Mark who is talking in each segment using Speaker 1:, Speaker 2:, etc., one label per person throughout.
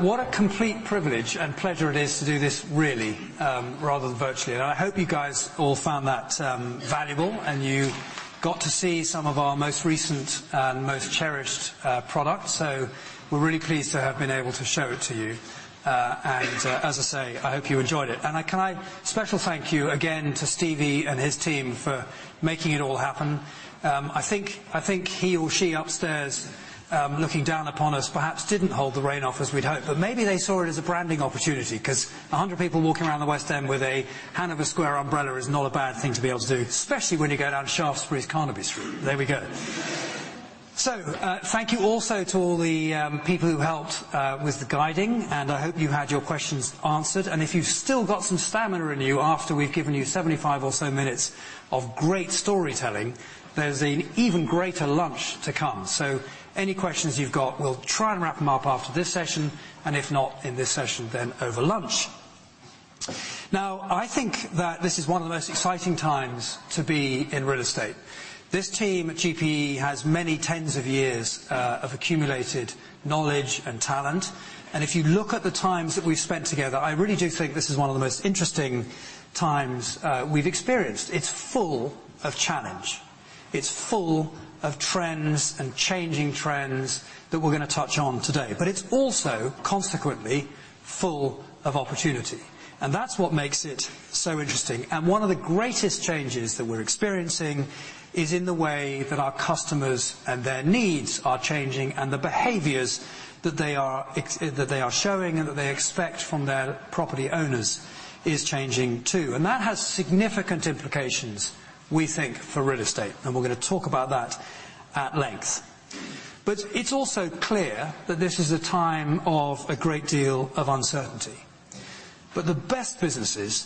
Speaker 1: What a complete privilege and pleasure it is to do this really rather than virtually. I hope you guys all found that valuable, and you got to see some of our most recent and most cherished products. We're really pleased to have been able to show it to you. As I say, I hope you enjoyed it. Special thanks again to Stevie and his team for making it all happen. I think he or she upstairs, looking down upon us, perhaps didn't hold the rain off as we'd hoped, but maybe they saw it as a branding opportunity 'cause 100 people walking around the West End with a Hanover Square umbrella is not a bad thing to be able to do, especially when you go down Shaftesbury's Carnaby Street. There we go. Thank you also to all the people who helped with the guiding, and I hope you had your questions answered. If you've still got some stamina in you after we've given you seventy-five or so minutes of great storytelling, there's an even greater lunch to come. Any questions you've got, we'll try and wrap them up after this session, and if not in this session, then over lunch. I think that this is one of the most exciting times to be in real estate. This team at GPE has many tens of years of accumulated knowledge and talent. If you look at the times that we've spent together, I really do think this is one of the most interesting times we've experienced. It's full of challenge. It's full of trends and changing trends that we're gonna touch on today. It's also, consequently, full of opportunity. That's what makes it so interesting. One of the greatest changes that we're experiencing is in the way that our customers and their needs are changing, and the behaviors that they are showing and that they expect from their property owners is changing, too. That has significant implications, we think, for real estate, and we're gonna talk about that at length. It's also clear that this is a time of a great deal of uncertainty. The best businesses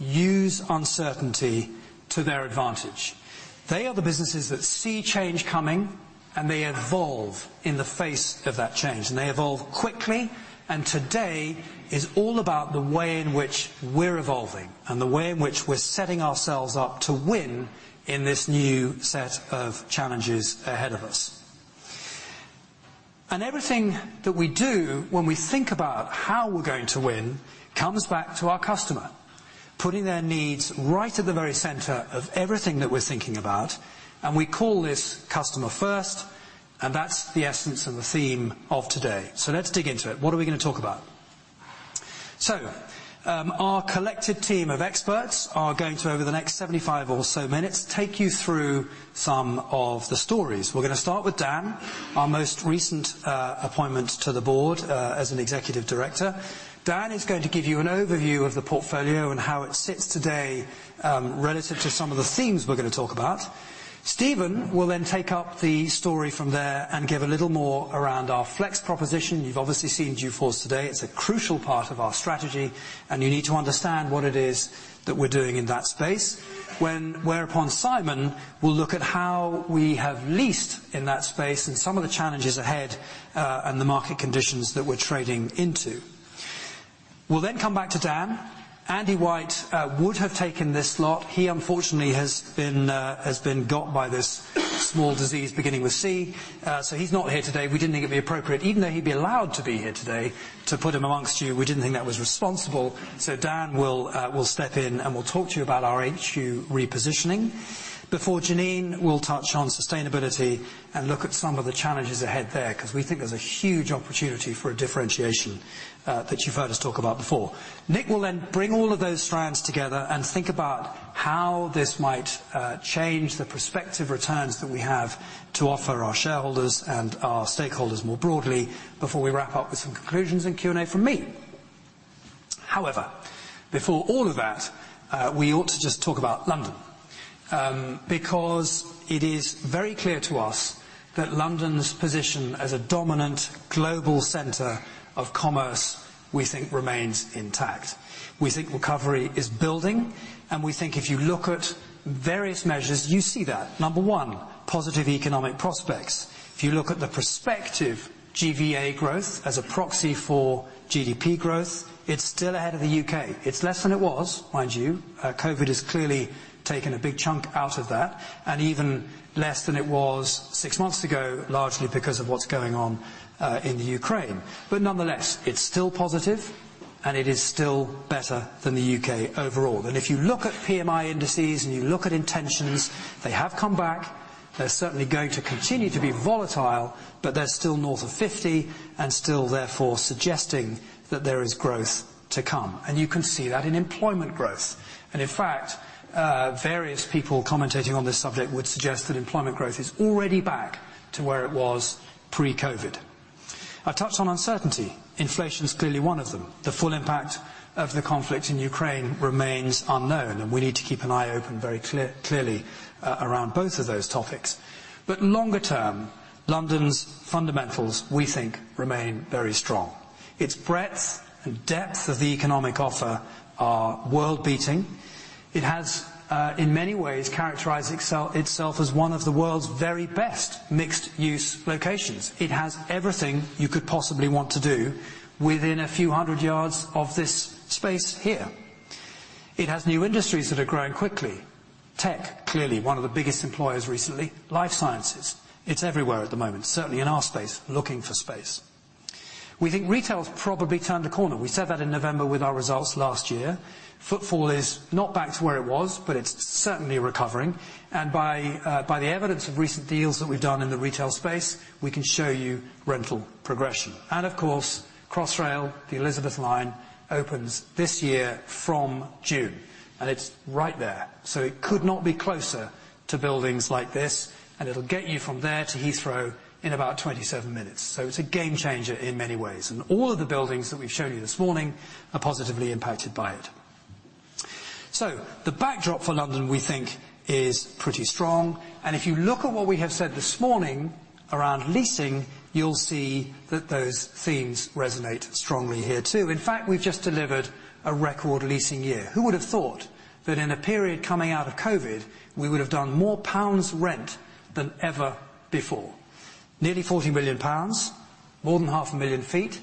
Speaker 1: use uncertainty to their advantage. They are the businesses that see change coming, and they evolve in the face of that change, and they evolve quickly. Today is all about the way in which we're evolving and the way in which we're setting ourselves up to win in this new set of challenges ahead of us. Everything that we do when we think about how we're going to win comes back to our customer, putting their needs right at the very center of everything that we're thinking about. We call this customer first, and that's the essence and the theme of today. Let's dig into it. What are we gonna talk about? Our collective team of experts are going to, over the next 75 or so minutes, take you through some of the stories. We're gonna start with Dan, our most recent appointment to the board, as an Executive Director. Dan is going to give you an overview of the portfolio and how it sits today, relative to some of the themes we're gonna talk about. Steven will then take up the story from there and give a little more around our Flex proposition. You've obviously seen Dufours today. It's a crucial part of our strategy, and you need to understand what it is that we're doing in that space. Then Simon will look at how we have leased in that space and some of the challenges ahead, and the market conditions that we're trading into. We'll then come back to Dan. Andy White would have taken this lot. He unfortunately has been got by this small disease beginning with C, so he's not here today. We didn't think it'd be appropriate, even though he'd be allowed to be here today, to put him amongst you. We didn't think that was responsible. Dan will step in and will talk to you about our HQ repositioning before Janine will touch on sustainability and look at some of the challenges ahead there 'cause we think there's a huge opportunity for a differentiation that you've heard us talk about before. Nick will then bring all of those strands together and think about how this might change the prospective returns that we have to offer our shareholders and our stakeholders more broadly before we wrap up with some conclusions and Q&A from me. However, before all of that, we ought to just talk about London, because it is very clear to us that London's position as a dominant global center of commerce, we think, remains intact. We think recovery is building, and we think if you look at various measures, you see that. Number one, positive economic prospects. If you look at the prospective GVA growth as a proxy for GDP growth, it's still ahead of the U.K. It's less than it was, mind you. COVID has clearly taken a big chunk out of that and even less than it was six months ago, largely because of what's going on in the Ukraine. Nonetheless, it's still positive, and it is still better than the U.K. overall. If you look at PMI indices and you look at intentions, they have come back. They're certainly going to continue to be volatile, but they're still north of 50 and still therefore suggesting that there is growth to come. You can see that in employment growth. In fact, various people commentating on this subject would suggest that employment growth is already back to where it was pre-COVID. I touched on uncertainty. Inflation is clearly one of them. The full impact of the conflict in Ukraine remains unknown, and we need to keep an eye open very clearly around both of those topics. Longer term, London's fundamentals, we think, remain very strong. Its breadth and depth of the economic offer are world-beating. It has, in many ways, characterized itself as one of the world's very best mixed-use locations. It has everything you could possibly want to do within a few hundred yards of this space here. It has new industries that are growing quickly. Tech, clearly one of the biggest employers recently. Life sciences, it's everywhere at the moment, certainly in our space, looking for space. We think retail's probably turned a corner. We said that in November with our results last year. Footfall is not back to where it was, but it's certainly recovering. By the evidence of recent deals that we've done in the retail space, we can show you rental progression. Of course, Crossrail, the Elizabeth line, opens this year from June, and it's right there. It could not be closer to buildings like this, and it'll get you from there to Heathrow in about 27 minutes. It's a game changer in many ways. All of the buildings that we've shown you this morning are positively impacted by it. The backdrop for London, we think, is pretty strong. If you look at what we have said this morning around leasing, you'll see that those themes resonate strongly here, too. In fact, we've just delivered a record leasing year. Who would have thought that in a period coming out of COVID, we would have done more pounds rent than ever before? Nearly 40 million pounds, more than 500,000 sq ft,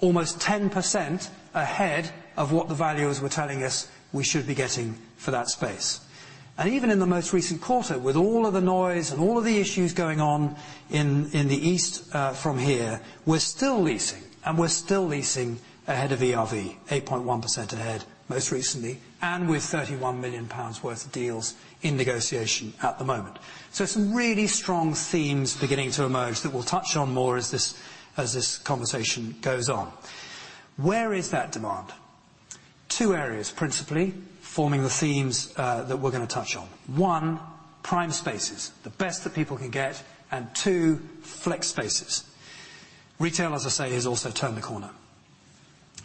Speaker 1: almost 10% ahead of what the valuers were telling us we should be getting for that space. Even in the most recent quarter, with all of the noise and all of the issues going on in the east from here, we're still leasing, and we're still leasing ahead of ERV, 8.1% ahead, most recently, and with 31 million pounds worth of deals in negotiation at the moment. Some really strong themes beginning to emerge that we'll touch on more as this conversation goes on. Where is that demand? Two areas, principally, forming the themes that we're gonna touch on. One, prime spaces, the best that people can get. Two, flex spaces. Retail, as I say, has also turned a corner.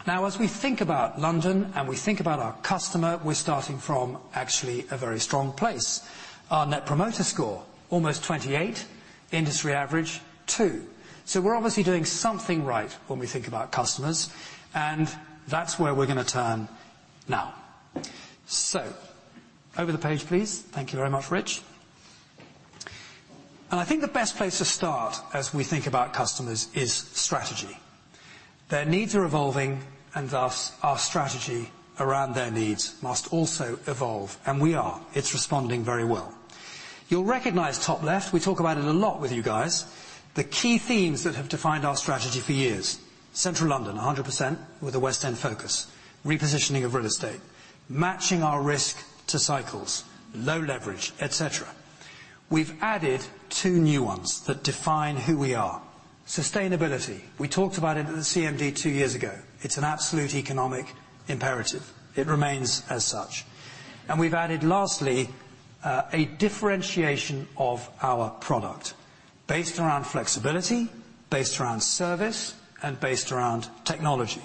Speaker 1: Now, as we think about London and we think about our customer, we're starting from actually a very strong place. Our Net Promoter Score, almost 28, industry average 2. We're obviously doing something right when we think about customers, and that's where we're gonna turn now. Over the page, please. Thank you very much, Rich. I think the best place to start as we think about customers is strategy. Their needs are evolving, and thus, our strategy around their needs must also evolve. We are. It's responding very well. You'll recognize top left. We talk about it a lot with you guys. The key themes that have defined our strategy for years. Central London, 100% with a West End focus. Repositioning of real estate, matching our risk to cycles, low leverage, et cetera. We've added two new ones that define who we are. Sustainability. We talked about it at the CMD two years ago. It's an absolute economic imperative. It remains as such. We've added, lastly, a differentiation of our product based around flexibility, based around service and based around technology.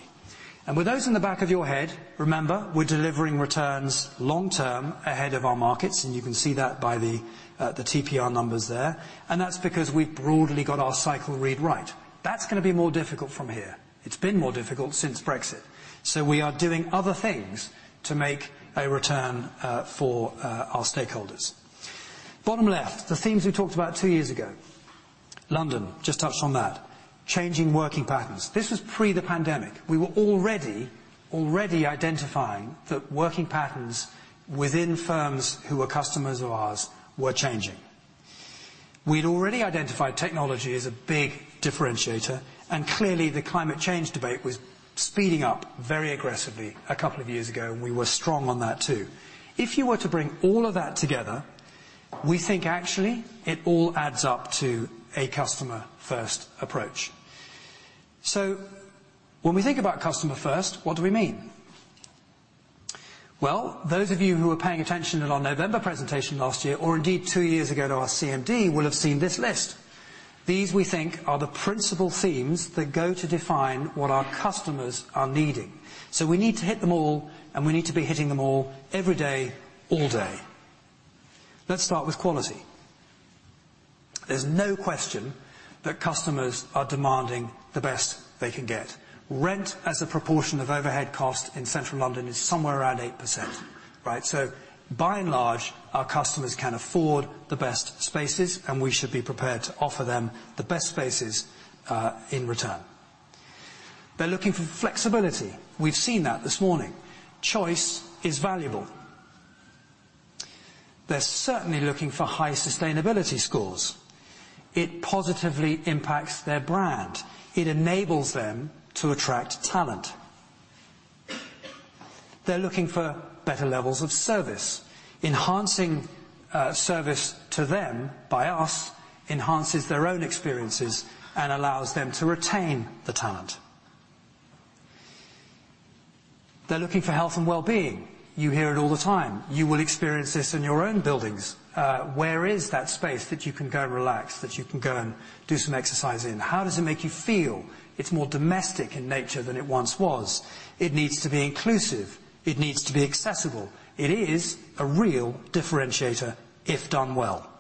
Speaker 1: With those in the back of your head, remember, we're delivering returns long-term ahead of our markets, and you can see that by the TPR numbers there. That's because we've broadly got our cycle read right. That's gonna be more difficult from here. It's been more difficult since Brexit. We are doing other things to make a return for our stakeholders. Bottom left, the themes we talked about two years ago. London, just touched on that. Changing working patterns. This was pre the pandemic. We were already identifying that working patterns within firms who were customers of ours were changing. We'd already identified technology as a big differentiator, and clearly the climate change debate was speeding up very aggressively a couple of years ago, and we were strong on that too. If you were to bring all of that together, we think actually it all adds up to a customer-first approach. When we think about customer first, what do we mean? Well, those of you who were paying attention in our November presentation last year, or indeed two years ago to our CMD, will have seen this list. These, we think, are the principal themes that go to define what our customers are needing. We need to hit them all, and we need to be hitting them all every day, all day. Let's start with quality. There's no question that customers are demanding the best they can get. Rent as a proportion of overhead cost in Central London is somewhere around 8%, right? By and large, our customers can afford the best spaces, and we should be prepared to offer them the best spaces in return. They're looking for flexibility. We've seen that this morning. Choice is valuable. They're certainly looking for high sustainability scores. It positively impacts their brand. It enables them to attract talent. They're looking for better levels of service. Enhancing service to them by us enhances their own experiences and allows them to retain the talent. They're looking for health and wellbeing. You hear it all the time. You will experience this in your own buildings. Where is that space that you can go and relax, that you can go and do some exercise in? How does it make you feel? It's more domestic in nature than it once was. It needs to be inclusive. It needs to be accessible. It is a real differentiator if done well.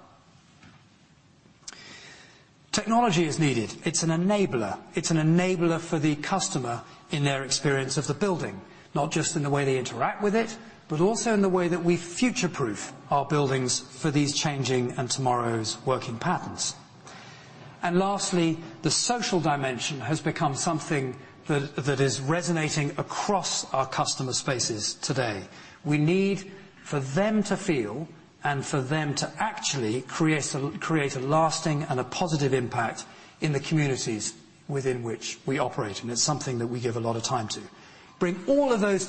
Speaker 1: Technology is needed. It's an enabler. It's an enabler for the customer in their experience of the building, not just in the way they interact with it, but also in the way that we future-proof our buildings for these changing and tomorrow's working patterns. Lastly, the social dimension has become something that is resonating across our customer spaces today. We need for them to feel and for them to actually create a lasting and a positive impact in the communities within which we operate. It's something that we give a lot of time to. Bring all of those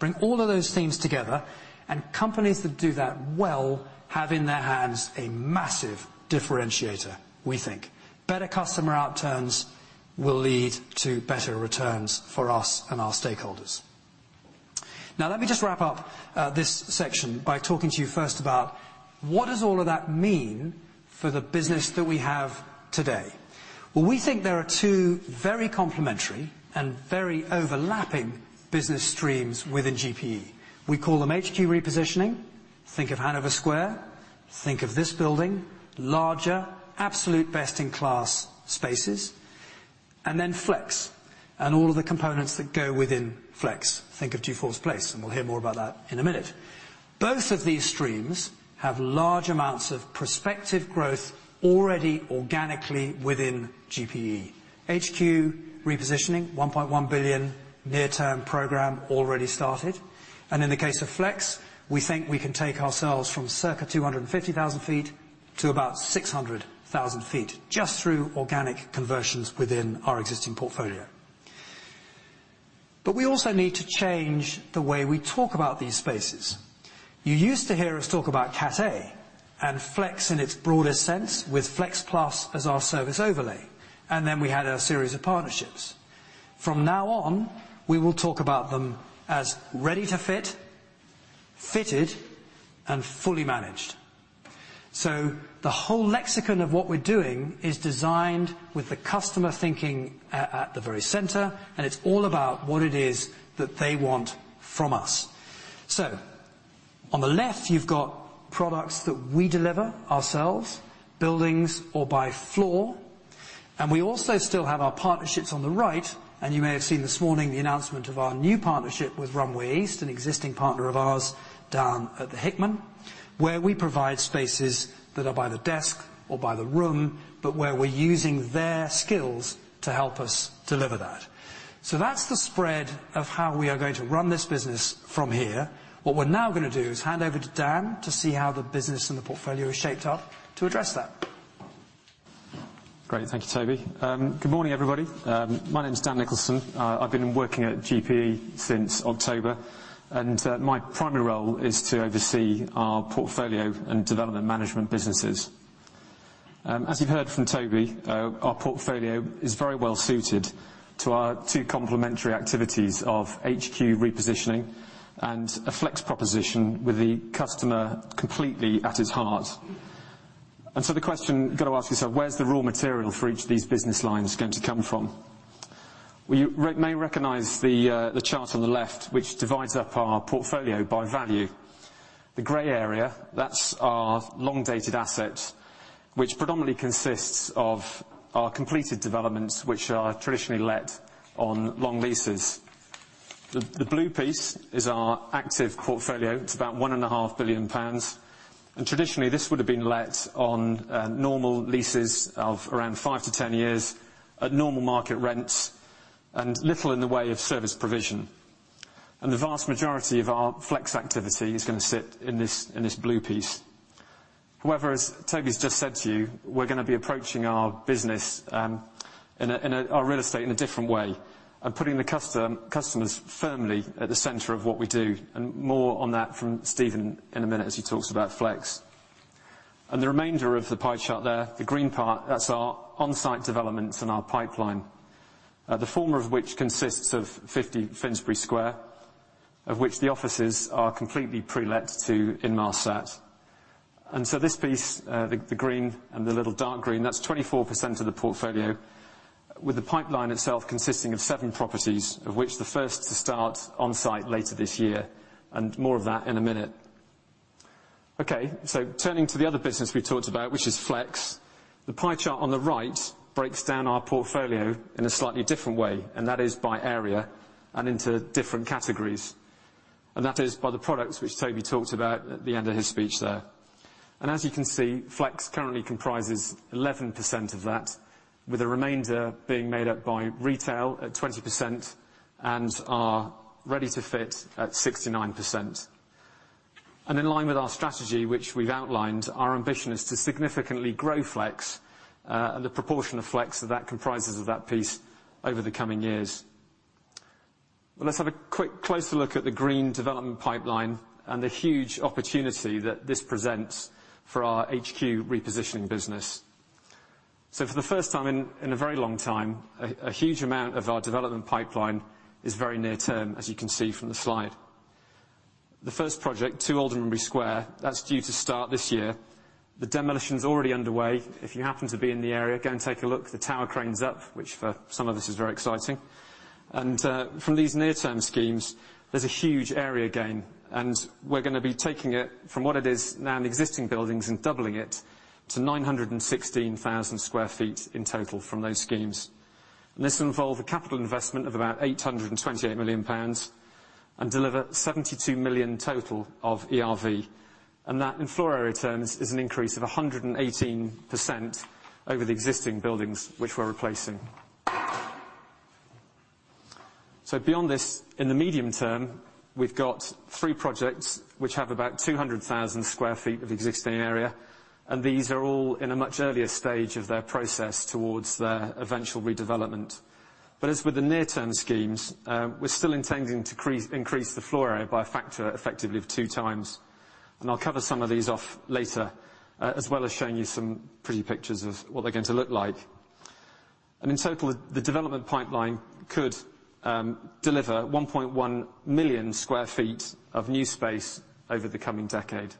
Speaker 1: things together, and companies that do that well have in their hands a massive differentiator we think. Better customer outcomes will lead to better returns for us and our stakeholders. Now let me just wrap up this section by talking to you first about what does all of that mean for the business that we have today. Well, we think there are two very complementary and very overlapping business streams within GPE. We call them HQ repositioning. Think of Hanover Square, think of this building. Larger, absolute best-in-class spaces. Flex and all of the components that go within flex. Think of Gresse Street, and we'll hear more about that in a minute. Both of these streams have large amounts of prospective growth already organically within GPE. HQ repositioning 1.1 billion near-term program already started. In the case of Flex, we think we can take ourselves from circa 250,000 sq ft to about 600,000 sq ft just through organic conversions within our existing portfolio. We also need to change the way we talk about these spaces. You used to hear us talk about Cat A and Flex in its broadest sense with flex class as our service overlay, and then we had a series of partnerships. From now on, we will talk about them as Ready to Fit, Fitted, and Fully Managed. The whole lexicon of what we're doing is designed with the customer thinking at the very center, and it's all about what it is that they want from us. On the left you've got products that we deliver ourselves, buildings or by floor, and we also still have our partnerships on the right. You may have seen this morning the announcement of our new partnership with Runway East, an existing partner of ours down at The Hickman, where we provide spaces that are by the desk or by the room, but where we're using their skills to help us deliver that. That's the spread of how we are going to run this business from here. What we're now gonna do is hand over to Dan to see how the business and the portfolio is shaped up to address that.
Speaker 2: Great. Thank you, Toby. Good morning, everybody. My name's Dan Nicholson. I've been working at GPE since October, and my primary role is to oversee our portfolio and development management businesses. As you've heard from Toby, our portfolio is very well suited to our two complementary activities of HQ repositioning and a Flex proposition with the customer completely at its heart. The question you've got to ask yourself, where's the raw material for each of these business lines going to come from? Well, you may recognize the chart on the left which divides up our portfolio by value. The gray area, that's our long-dated assets, which predominantly consists of our completed developments, which are traditionally let on long leases. The blue piece is our active portfolio. It's about 1.5 billion pounds. Traditionally, this would have been let on normal leases of around 5-10 years at normal market rents and little in the way of service provision. The vast majority of our flex activity is gonna sit in this blue piece. However, as Toby's just said to you, we're gonna be approaching our business in a different way. Putting the customers firmly at the center of what we do. More on that from Steven in a minute as he talks about flex. The remainder of the pie chart there, the green part, that's our onsite developments and our pipeline. The former of which consists of 50 Finsbury Square, of which the offices are completely pre-let to Inmarsat. This piece, the green and the little dark green, that's 24% of the portfolio, with the pipeline itself consisting of seven properties, of which the first to start on-site later this year. More of that in a minute. Okay, turning to the other business we talked about, which is Flex. The pie chart on the right breaks down our portfolio in a slightly different way, and that is by area and into different categories. That is by the products which Toby talked about at the end of his speech there. As you can see, Flex currently comprises 11% of that, with the remainder being made up by retail at 20% and our Ready to Fit at 69%. In line with our strategy, which we've outlined, our ambition is to significantly grow Flex, the proportion of Flex that comprises of that piece over the coming years. Let's have a quick closer look at the green development pipeline and the huge opportunity that this presents for our HQ repositioning business. For the first time in a very long time, a huge amount of our development pipeline is very near term, as you can see from the slide. The first project, 2 Aldermanbury Square, that's due to start this year. The demolition's already underway. If you happen to be in the area, go and take a look. The tower crane's up, which for some of us is very exciting. From these near-term schemes, there's a huge area gain, and we're gonna be taking it from what it is now in existing buildings and doubling it to 916,000 sq ft in total from those schemes. This will involve a capital investment of about 828 million pounds and deliver 72 million total of ERV. That in floor area terms is an increase of 118% over the existing buildings which we're replacing. Beyond this, in the medium term, we've got three projects which have about 200,000 sq ft of existing area, and these are all in a much earlier stage of their process towards their eventual redevelopment. As with the near-term schemes, we're still intending to increase the floor area by a factor effectively of 2 times. I'll cover some of these off later, as well as showing you some pretty pictures of what they're going to look like. In total, the development pipeline could deliver 1.1 million sq ft of new space over the coming decade.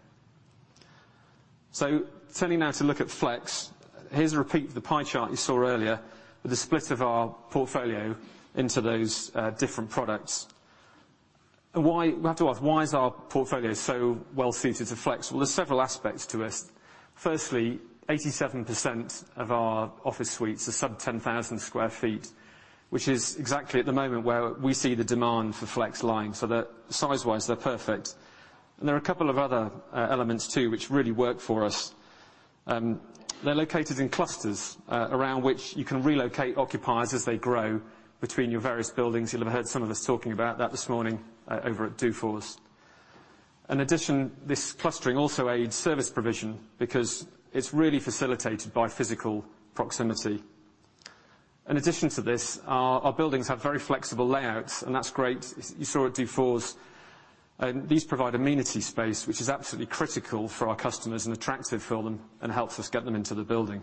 Speaker 2: Turning now to look at Flex, here's a repeat of the pie chart you saw earlier with the split of our portfolio into those different products. You have to ask, why is our portfolio so well-suited to Flex? Well, there's several aspects to this. Firstly, 87% of our office suites are sub-10,000 sq ft, which is exactly at the moment where we see the demand for Flex lying, so they're size-wise they're perfect. There are a couple of other elements too which really work for us. They're located in clusters, around which you can relocate occupiers as they grow between your various buildings. You'll have heard some of us talking about that this morning over at Dufours. In addition, this clustering also aids service provision because it's really facilitated by physical proximity. In addition to this, our buildings have very flexible layouts, and that's great. You saw at Dufours. These provide amenity space, which is absolutely critical for our customers and attractive for them and helps us get them into the building.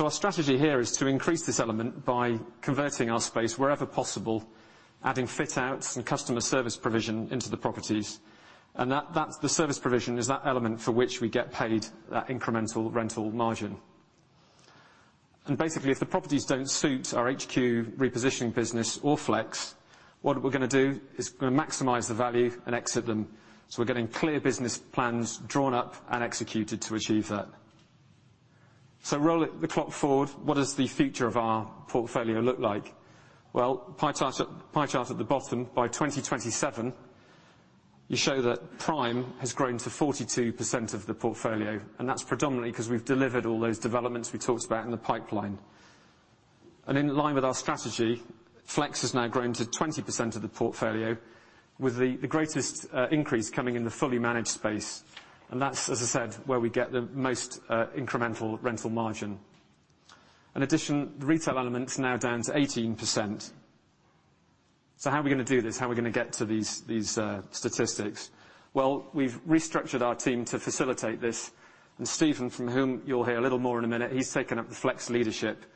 Speaker 2: Our strategy here is to increase this element by converting our space wherever possible, adding fit outs and customer service provision into the properties, and that's the service provision is that element for which we get paid that incremental rental margin. Basically, if the properties don't suit our HQ repositioning business or Flex, what we're gonna do is we're gonna maximize the value and exit them, so we're getting clear business plans drawn up and executed to achieve that. Rolling the clock forward, what does the future of our portfolio look like? Well, pie chart at the bottom, by 2027, you show that Prime has grown to 42% of the portfolio, and that's predominantly because we've delivered all those developments we talked about in the pipeline. In line with our strategy, Flex has now grown to 20% of the portfolio with the greatest increase coming in the Fully Managed space. That's, as I said, where we get the most incremental rental margin. In addition, the Retail element's now down to 18%. How are we gonna do this? How are we gonna get to these statistics? Well, we've restructured our team to facilitate this. Steven, from whom you'll hear a little more in a minute, he's taken up the flex leadership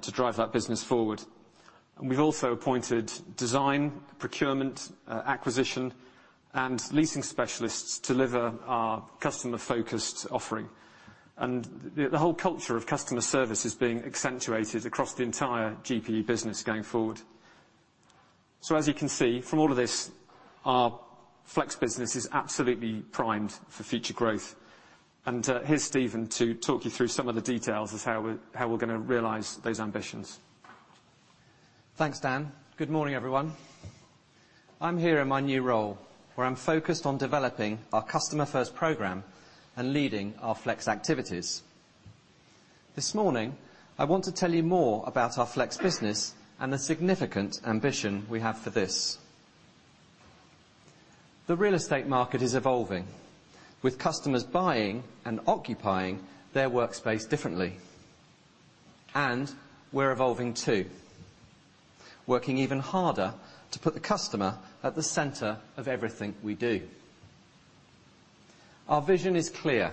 Speaker 2: to drive that business forward. We've also appointed design, procurement, acquisition, and leasing specialists to deliver our customer-focused offering. The whole culture of customer service is being accentuated across the entire GPE business going forward. As you can see from all of this, our flex business is absolutely primed for future growth. Here's Steven to talk you through some of the details of how we're gonna realize those ambitions.
Speaker 3: Thanks, Dan. Good morning, everyone. I'm here in my new role, where I'm focused on developing our customer first program and leading our Flex activities. This morning, I want to tell you more about our Flex business and the significant ambition we have for this. The real estate market is evolving, with customers buying and occupying their workspace differently. We're evolving too, working even harder to put the customer at the center of everything we do. Our vision is clear.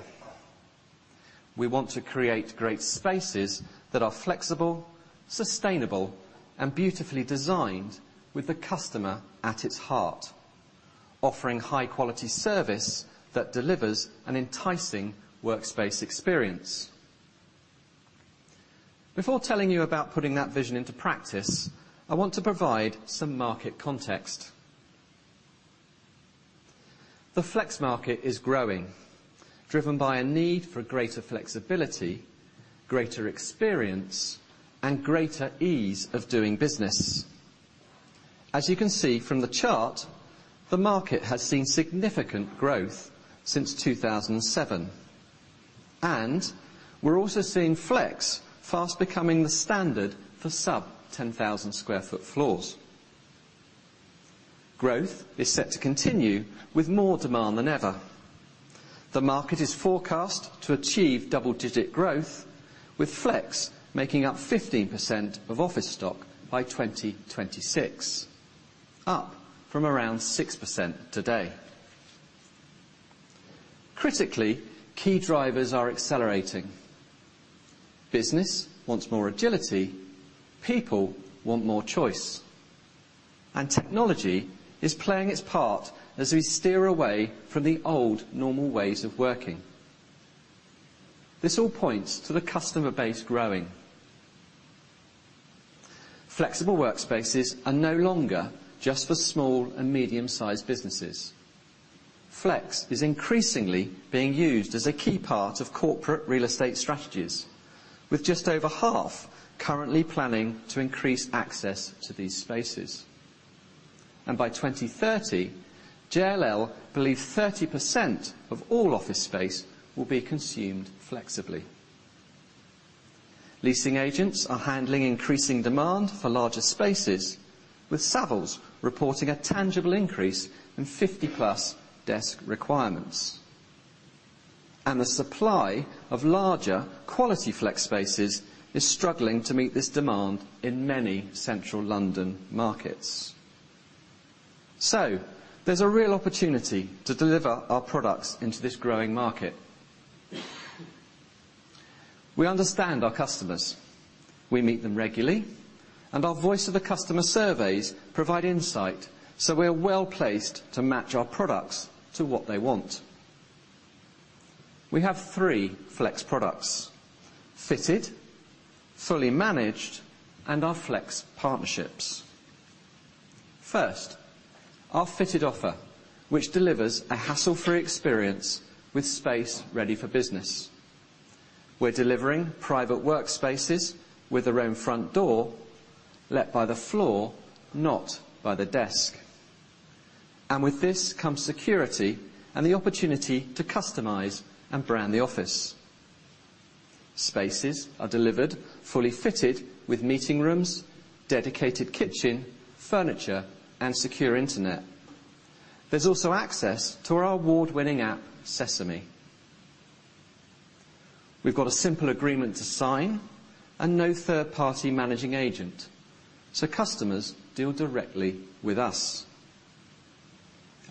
Speaker 3: We want to create great spaces that are flexible, sustainable, and beautifully designed with the customer at its heart, offering high-quality service that delivers an enticing workspace experience. Before telling you about putting that vision into practice, I want to provide some market context. The flex market is growing, driven by a need for greater flexibility, greater experience, and greater ease of doing business. As you can see from the chart, the market has seen significant growth since 2007. We're also seeing Flex fast becoming the standard for sub-10,000 sq ft floors. Growth is set to continue with more demand than ever. The market is forecast to achieve double-digit growth with Flex making up 15% of office stock by 2026, up from around 6% today. Critically, key drivers are accelerating. Business wants more agility. People want more choice. Technology is playing its part as we steer away from the old normal ways of working. This all points to the customer base growing. Flexible workspaces are no longer just for small and medium-sized businesses. Flex is increasingly being used as a key part of corporate real estate strategies, with just over half currently planning to increase access to these spaces. By 2030, JLL believe 30% of all office space will be consumed flexibly. Leasing agents are handling increasing demand for larger spaces, with Savills reporting a tangible increase in 50+ desk requirements. The supply of larger quality flex spaces is struggling to meet this demand in many central London markets. There's a real opportunity to deliver our products into this growing market. We understand our customers. We meet them regularly, and our voice-of-the-customer surveys provide insight, so we're well-placed to match our products to what they want. We have three flex products: Fitted, Fully Managed, and our flex partnerships. First, our Fitted offer, which delivers a hassle-free experience with space ready for business. We're delivering private workspaces with their own front door, let by the floor, not by the desk. With this comes security and the opportunity to customize and brand the office. Spaces are delivered, fully fitted with meeting rooms, dedicated kitchen, furniture, and secure internet. There's also access to our award-winning app, Sesame. We've got a simple agreement to sign and no third-party managing agent, so customers deal directly with us.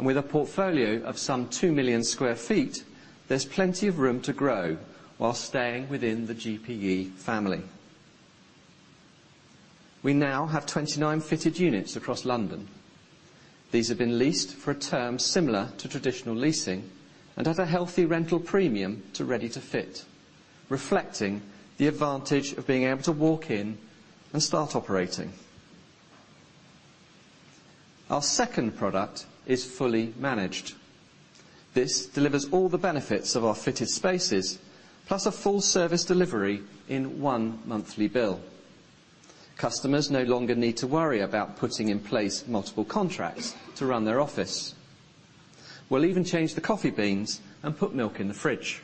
Speaker 3: With a portfolio of some 2 million sq ft, there's plenty of room to grow while staying within the GPE family. We now have 29 Fitted units across London. These have been leased for a term similar to traditional leasing and have a healthy rental premium to Ready to Fit, reflecting the advantage of being able to walk in and start operating. Our second product is Fully Managed. This delivers all the benefits of our Fitted spaces, plus a full service delivery in one monthly bill. Customers no longer need to worry about putting in place multiple contracts to run their office. We'll even change the coffee beans and put milk in the fridge.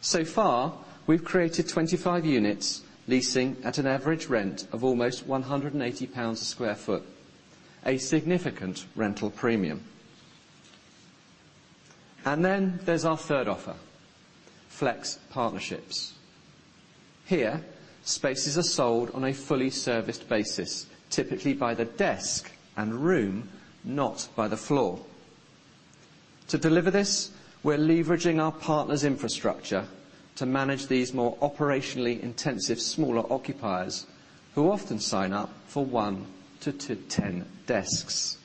Speaker 3: So far, we've created 25 units, leasing at an average rent of almost 180 pounds/sq ft, a significant rental premium. Then there's our third offer, Flex partnerships. Here, spaces are sold on a fully serviced basis, typically by the desk and room, not by the floor. To deliver this, we're leveraging our partners' infrastructure to manage these more operationally intensive smaller occupiers who often sign up for one to 10 desks.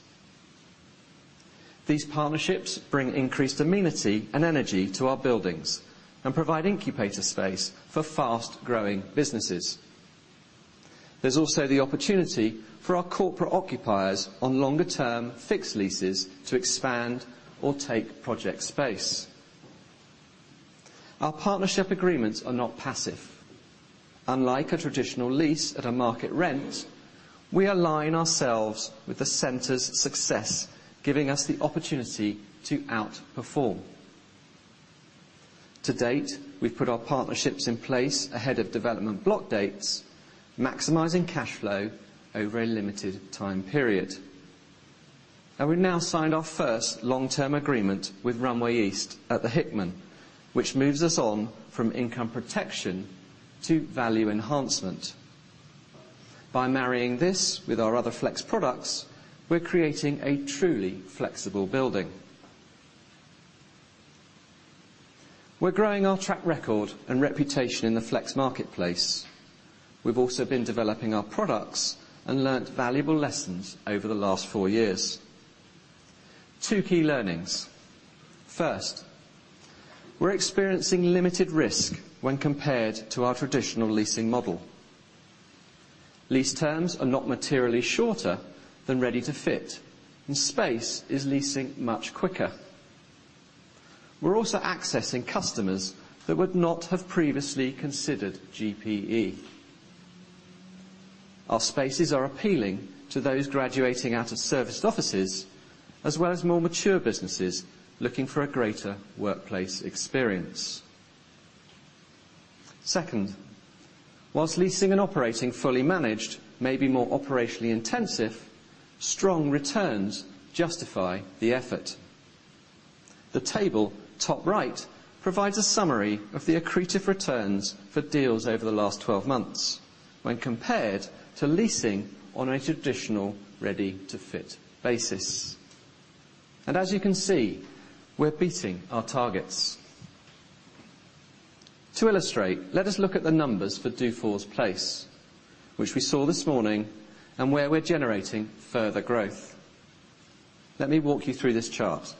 Speaker 3: These partnerships bring increased amenity and energy to our buildings and provide incubator space for fast-growing businesses. There's also the opportunity for our corporate occupiers on longer term fixed leases to expand or take project space. Our partnership agreements are not passive. Unlike a traditional lease at a market rent, we align ourselves with the center's success, giving us the opportunity to outperform. To date, we've put our partnerships in place ahead of development block dates, maximizing cash flow over a limited time period. We now signed our first long-term agreement with Runway East at The Hickman, which moves us on from income protection to value enhancement. By marrying this with our other Flex products, we're creating a truly flexible building. We're growing our track record and reputation in the Flex marketplace. We've also been developing our products and learned valuable lessons over the last four years. Two key learnings. First, we're experiencing limited risk when compared to our traditional leasing model. Lease terms are not materially shorter than Ready to Fit, and space is leasing much quicker. We're also accessing customers that would not have previously considered GPE. Our spaces are appealing to those graduating out of serviced offices, as well as more mature businesses looking for a greater workplace experience. Second, while leasing and operating Fully Managed may be more operationally intensive, strong returns justify the effort. The table, top right, provides a summary of the accretive returns for deals over the last 12 months when compared to leasing on a traditional Ready to Fit basis. As you can see, we're beating our targets. To illustrate, let us look at the numbers for Dufours Place, which we saw this morning and where we're generating further growth. Let me walk you through this chart.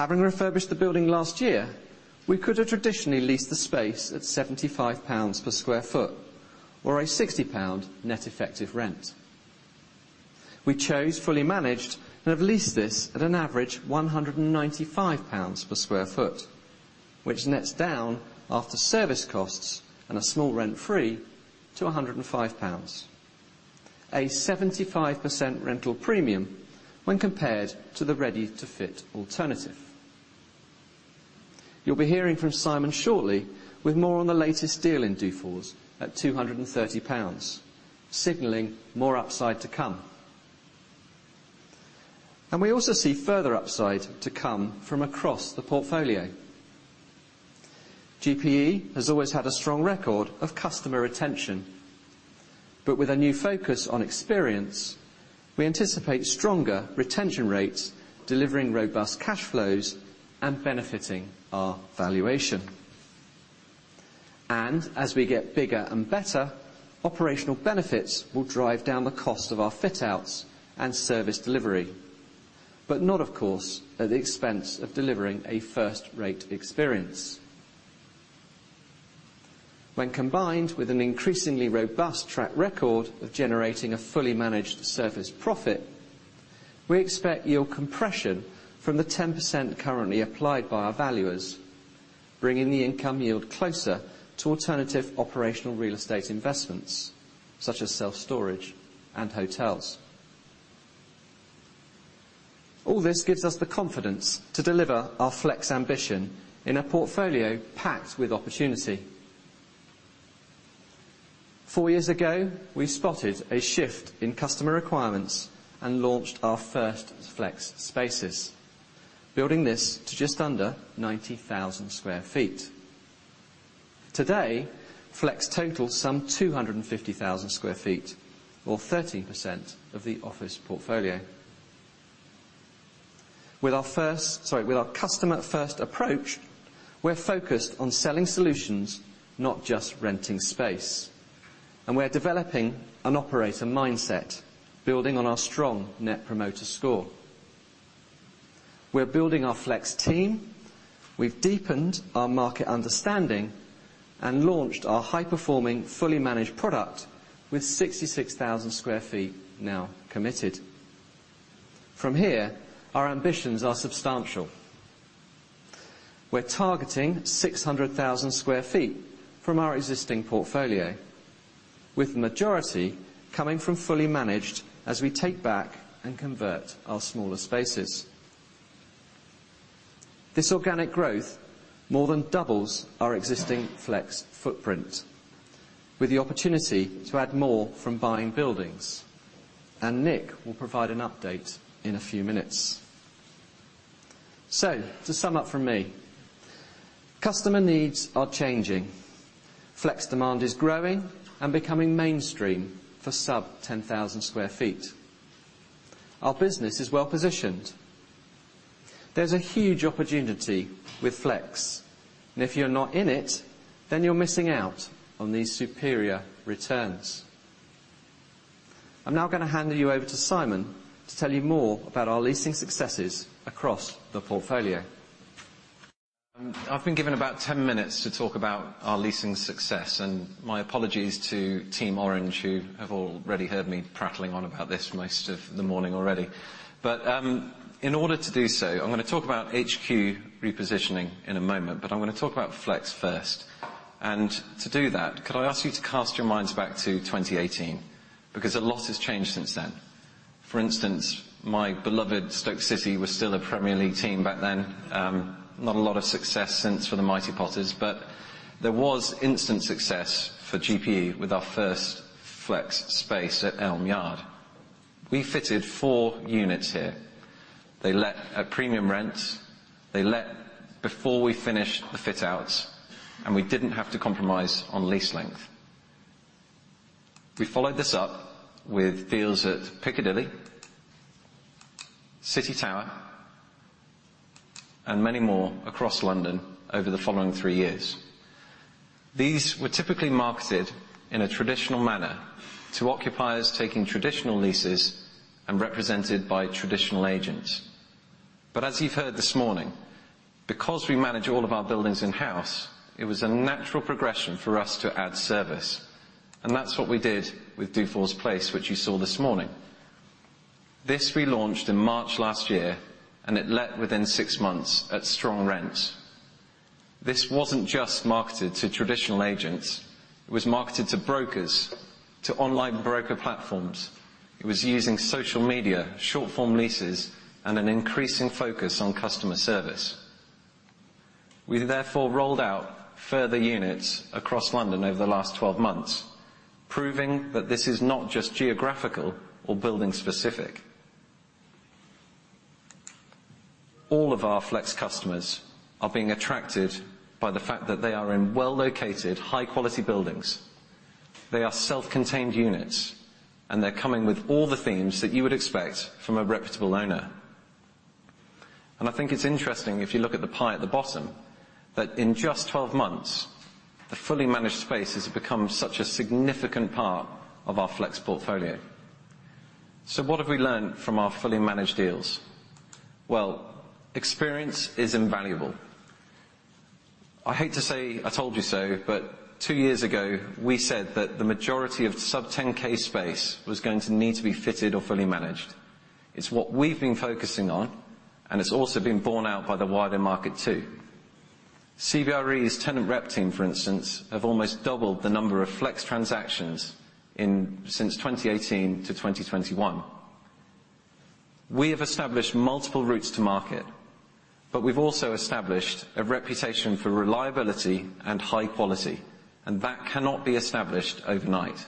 Speaker 3: Having refurbished the building last year, we could have traditionally leased the space at 75 pounds per sq ft or a 60 GBP net effective rent. We chose Fully Managed and have leased this at an average 195 pounds per sq ft, which nets down after service costs and a small rent-free to 105 pounds, a 75% rental premium when compared to the Ready to Fit alternative. You'll be hearing from Simon shortly with more on the latest deal in Dufours at 230 pounds, signaling more upside to come. We also see further upside to come from across the portfolio. GPE has always had a strong record of customer retention, but with a new focus on experience, we anticipate stronger retention rates, delivering robust cash flows and benefiting our valuation. As we get bigger and better, operational benefits will drive down the cost of our fit outs and service delivery. Not, of course, at the expense of delivering a first-rate experience. When combined with an increasingly robust track record of generating a Fully Managed surplus profit, we expect yield compression from the 10% currently applied by our valuers, bringing the income yield closer to alternative operational real estate investments such as self-storage and hotels. All this gives us the confidence to deliver our Flex ambition in a portfolio packed with opportunity. Four years ago, we spotted a shift in customer requirements and launched our first Flex spaces, building this to just under 90,000 sq ft. Today, Flex totals some 250,000 sq ft, or 13% of the office portfolio. With our customer-first approach, we're focused on selling solutions, not just renting space. We're developing an operator mindset, building on our strong Net Promoter Score. We're building our Flex team. We've deepened our market understanding and launched our high-performing, Fully Managed product with 66,000 sq ft now committed. From here, our ambitions are substantial. We're targeting 600,000 sq ft from our existing portfolio, with the majority coming from Fully Managed as we take back and convert our smaller spaces. This organic growth more than doubles our existing Flex footprint with the opportunity to add more from buying buildings. Nick will provide an update in a few minutes. To sum up from me, customer needs are changing. Flex demand is growing and becoming mainstream for sub-10,000 sq ft. Our business is well-positioned. There's a huge opportunity with Flex, and if you're not in it, then you're missing out on these superior returns. I'm now gonna hand you over to Simon to tell you more about our leasing successes across the portfolio.
Speaker 4: I've been given about 10 minutes to talk about our leasing success, and my apologies to Team Orange, who have already heard me prattling on about this for most of the morning already. In order to do so, I'm gonna talk about HQ repositioning in a moment, but I'm gonna talk about flex first. To do that, could I ask you to cast your minds back to 2018? Because a lot has changed since then. For instance, my beloved Stoke City was still a Premier League team back then. Not a lot of success since for the Mighty Potters, but there was instant success for GPE with our first flex space at Elm Yard. We fitted four units here. They let at premium rents. They let before we finished the fit outs, and we didn't have to compromise on lease length. We followed this up with deals at Piccadilly, City Tower and many more across London over the following three years. These were typically marketed in a traditional manner to occupiers taking traditional leases and represented by traditional agents. As you've heard this morning, because we manage all of our buildings in-house, it was a natural progression for us to add service. That's what we did with Dufours Place, which you saw this morning. This we launched in March last year, and it let within six months at strong rents. This wasn't just marketed to traditional agents, it was marketed to brokers, to online broker platforms. It was using social media, short-form leases, and an increasing focus on customer service. We therefore rolled out further units across London over the last 12 months, proving that this is not just geographical or building specific. All of our Flex customers are being attracted by the fact that they are in well-located, high-quality buildings. They are self-contained units, and they're coming with all the themes that you would expect from a reputable owner. I think it's interesting, if you look at the pie at the bottom, that in just 12 months, the Fully Managed spaces have become such a significant part of our Flex portfolio. What have we learned from our Fully Managed deals? Well, experience is invaluable. I hate to say I told you so, but two years ago, we said that the majority of sub-10K space was going to need to be Fitted or Fully Managed. It's what we've been focusing on, and it's also been borne out by the wider market too. CBRE's tenant rep team, for instance, have almost doubled the number of flex transactions from 2018 to 2021. We have established multiple routes to market, but we've also established a reputation for reliability and high quality, and that cannot be established overnight.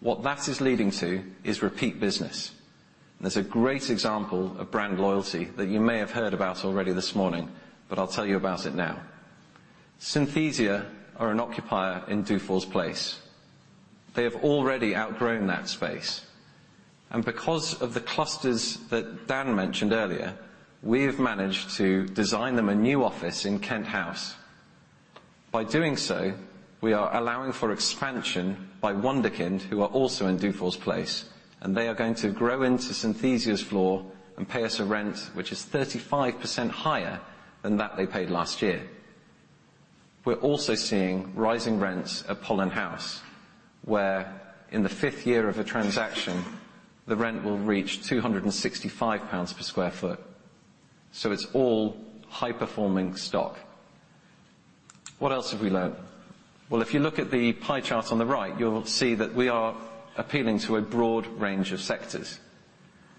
Speaker 4: What that is leading to is repeat business. There's a great example of brand loyalty that you may have heard about already this morning, but I'll tell you about it now. Synthesia are an occupier in Dufours Place. They have already outgrown that space. Because of the clusters that Dan mentioned earlier, we've managed to design them a new office in Kent House. By doing so, we are allowing for expansion by Wunderkind, who are also in Dufours Place, and they are going to grow into Synthesia's floor and pay us a rent, which is 35% higher than that they paid last year. We're also seeing rising rents at Pollen House, where in the 5th year of a transaction, the rent will reach 265 pounds per sq ft. It's all high-performing stock. What else have we learned? Well, if you look at the pie chart on the right, you'll see that we are appealing to a broad range of sectors.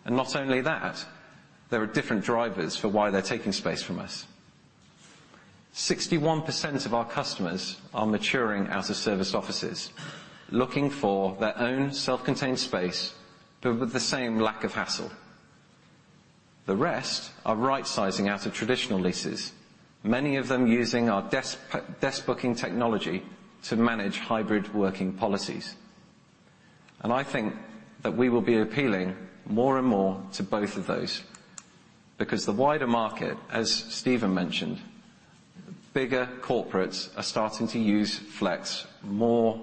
Speaker 4: Not only that, there are different drivers for why they're taking space from us. 61% of our customers are maturing out of serviced offices, looking for their own self-contained space, but with the same lack of hassle. The rest are right-sizing out of traditional leases, many of them using our desk booking technology to manage hybrid working policies. I think that we will be appealing more and more to both of those because the wider market, as Steven mentioned, bigger corporates are starting to use flex more,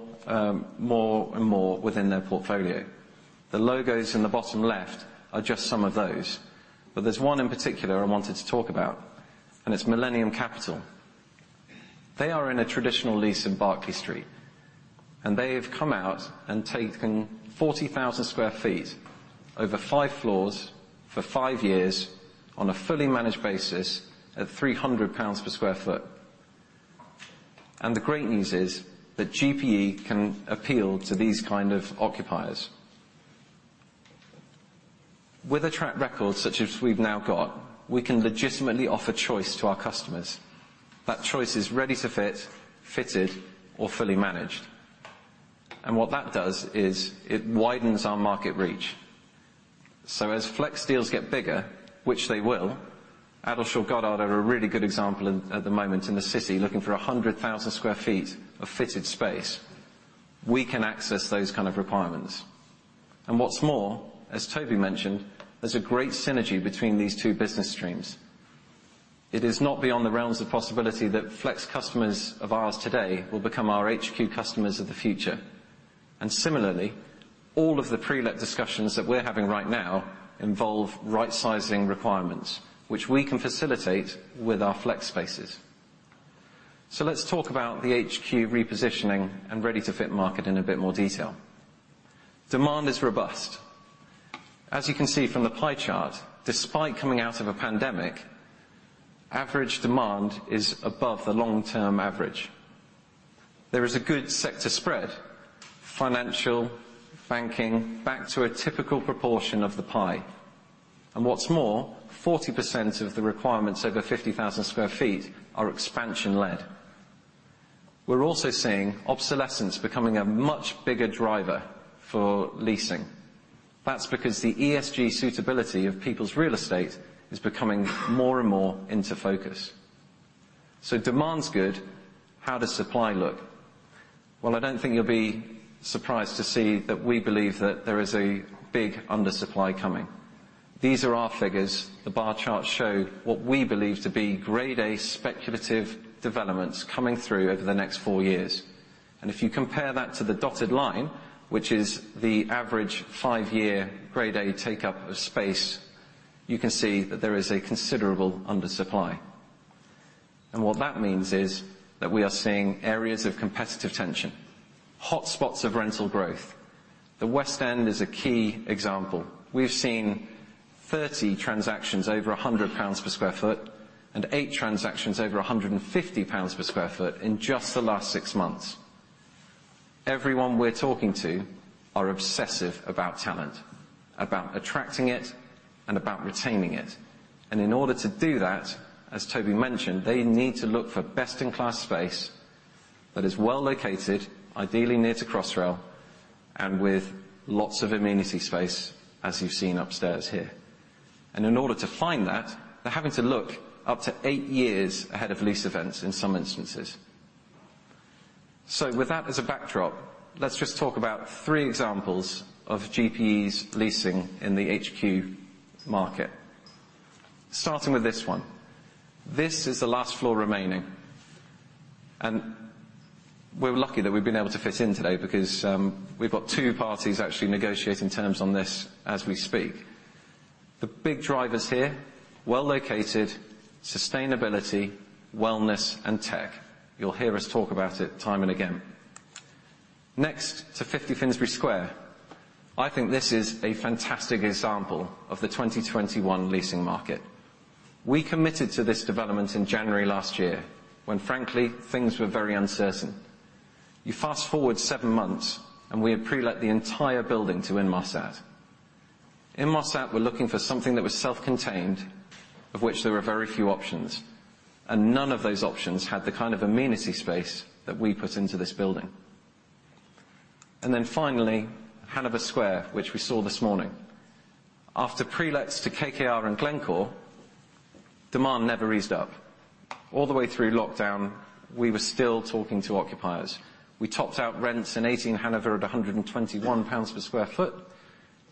Speaker 4: more and more within their portfolio. The logos in the bottom left are just some of those, but there's one in particular I wanted to talk about, and it's Millennium Capital. They are in a traditional lease in Berkeley Street, and they have come out and taken 40,000 sq ft over 5 floors for 5 years on a Fully Managed basis at 300 pounds per sq ft. The great news is that GPE can appeal to these kind of occupiers. With a track record such as we've now got, we can legitimately offer choice to our customers. That choice is Ready to Fit, Fitted, or Fully Managed. What that does is it widens our market reach. As flex deals get bigger, which they will, Addleshaw Goddard are a really good example at the moment in the city, looking for 100,000 sq ft of Fitted space. We can access those kind of requirements. What's more, as Toby mentioned, there's a great synergy between these two business streams. It is not beyond the realms of possibility that flex customers of ours today will become our HQ customers of the future. Similarly, all of the pre-let discussions that we're having right now involve right-sizing requirements, which we can facilitate with our flex spaces. Let's talk about the HQ repositioning and Ready to Fit market in a bit more detail. Demand is robust. As you can see from the pie chart, despite coming out of a pandemic, average demand is above the long-term average. There is a good sector spread, financial, banking, back to a typical proportion of the pie. What's more, 40% of the requirements over 50,000 sq ft are expansion-led. We're also seeing obsolescence becoming a much bigger driver for leasing. That's because the ESG suitability of people's real estate is becoming more and more into focus. Demand's good. How does supply look? Well, I don't think you'll be surprised to see that we believe that there is a big undersupply coming. These are our figures. The bar charts show what we believe to be grade A speculative developments coming through over the next 4 years. If you compare that to the dotted line, which is the average five-year Grade A take-up of space, you can see that there is a considerable undersupply. What that means is that we are seeing areas of competitive tension, hotspots of rental growth. The West End is a key example. We've seen 30 transactions over 100 pounds per sq ft and 8 transactions over 150 pounds per sq ft in just the last 6 months. Everyone we're talking to are obsessive about talent, about attracting it, and about retaining it. In order to do that, as Toby mentioned, they need to look for best-in-class space that is well-located, ideally near to Crossrail, and with lots of amenity space, as you've seen upstairs here. In order to find that, they're having to look up to eight years ahead of lease events in some instances. With that as a backdrop, let's just talk about three examples of GPE's leasing in the HQ market. Starting with this one, this is the last floor remaining. We're lucky that we've been able to fit in today because we've got two parties actually negotiating terms on this as we speak. The big drivers here, well-located, sustainability, wellness, and tech. You'll hear us talk about it time and again. Next to 50 Finsbury Square. I think this is a fantastic example of the 2021 leasing market. We committed to this development in January last year, when frankly, things were very uncertain. You fast-forward seven months, and we have pre-let the entire building to Inmarsat. Inmarsat were looking for something that was self-contained, of which there were very few options, and none of those options had the kind of amenity space that we put into this building. Finally, Hanover Square, which we saw this morning. After pre-lets to KKR and Glencore, demand never eased up. All the way through lockdown, we were still talking to occupiers. We topped out rents in 18 Hanover at 121 pounds per sq ft.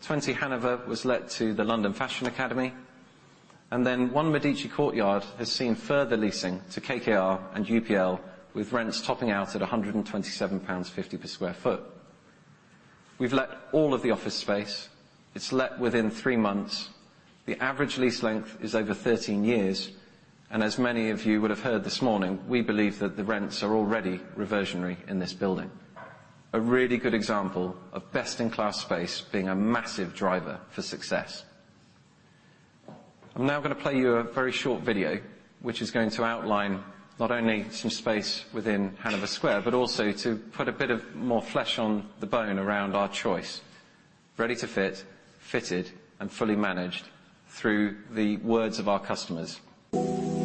Speaker 4: 20 Hanover was let to the London Fashion Academy. 1 Medici Courtyard has seen further leasing to KKR and UPL, with rents topping out at 127.50 pounds per sq ft. We've let all of the office space. It's let within three months. The average lease length is over 13 years, and as many of you would have heard this morning, we believe that the rents are already reversionary in this building. A really good example of best-in-class space being a massive driver for success. I'm now gonna play you a very short video which is going to outline not only some space within Hanover Square, but also to put a bit more flesh on the bone around our Flex, Ready to Fit, Fitted, and Fully Managed through the words of our customers.
Speaker 5: We've got a 20-year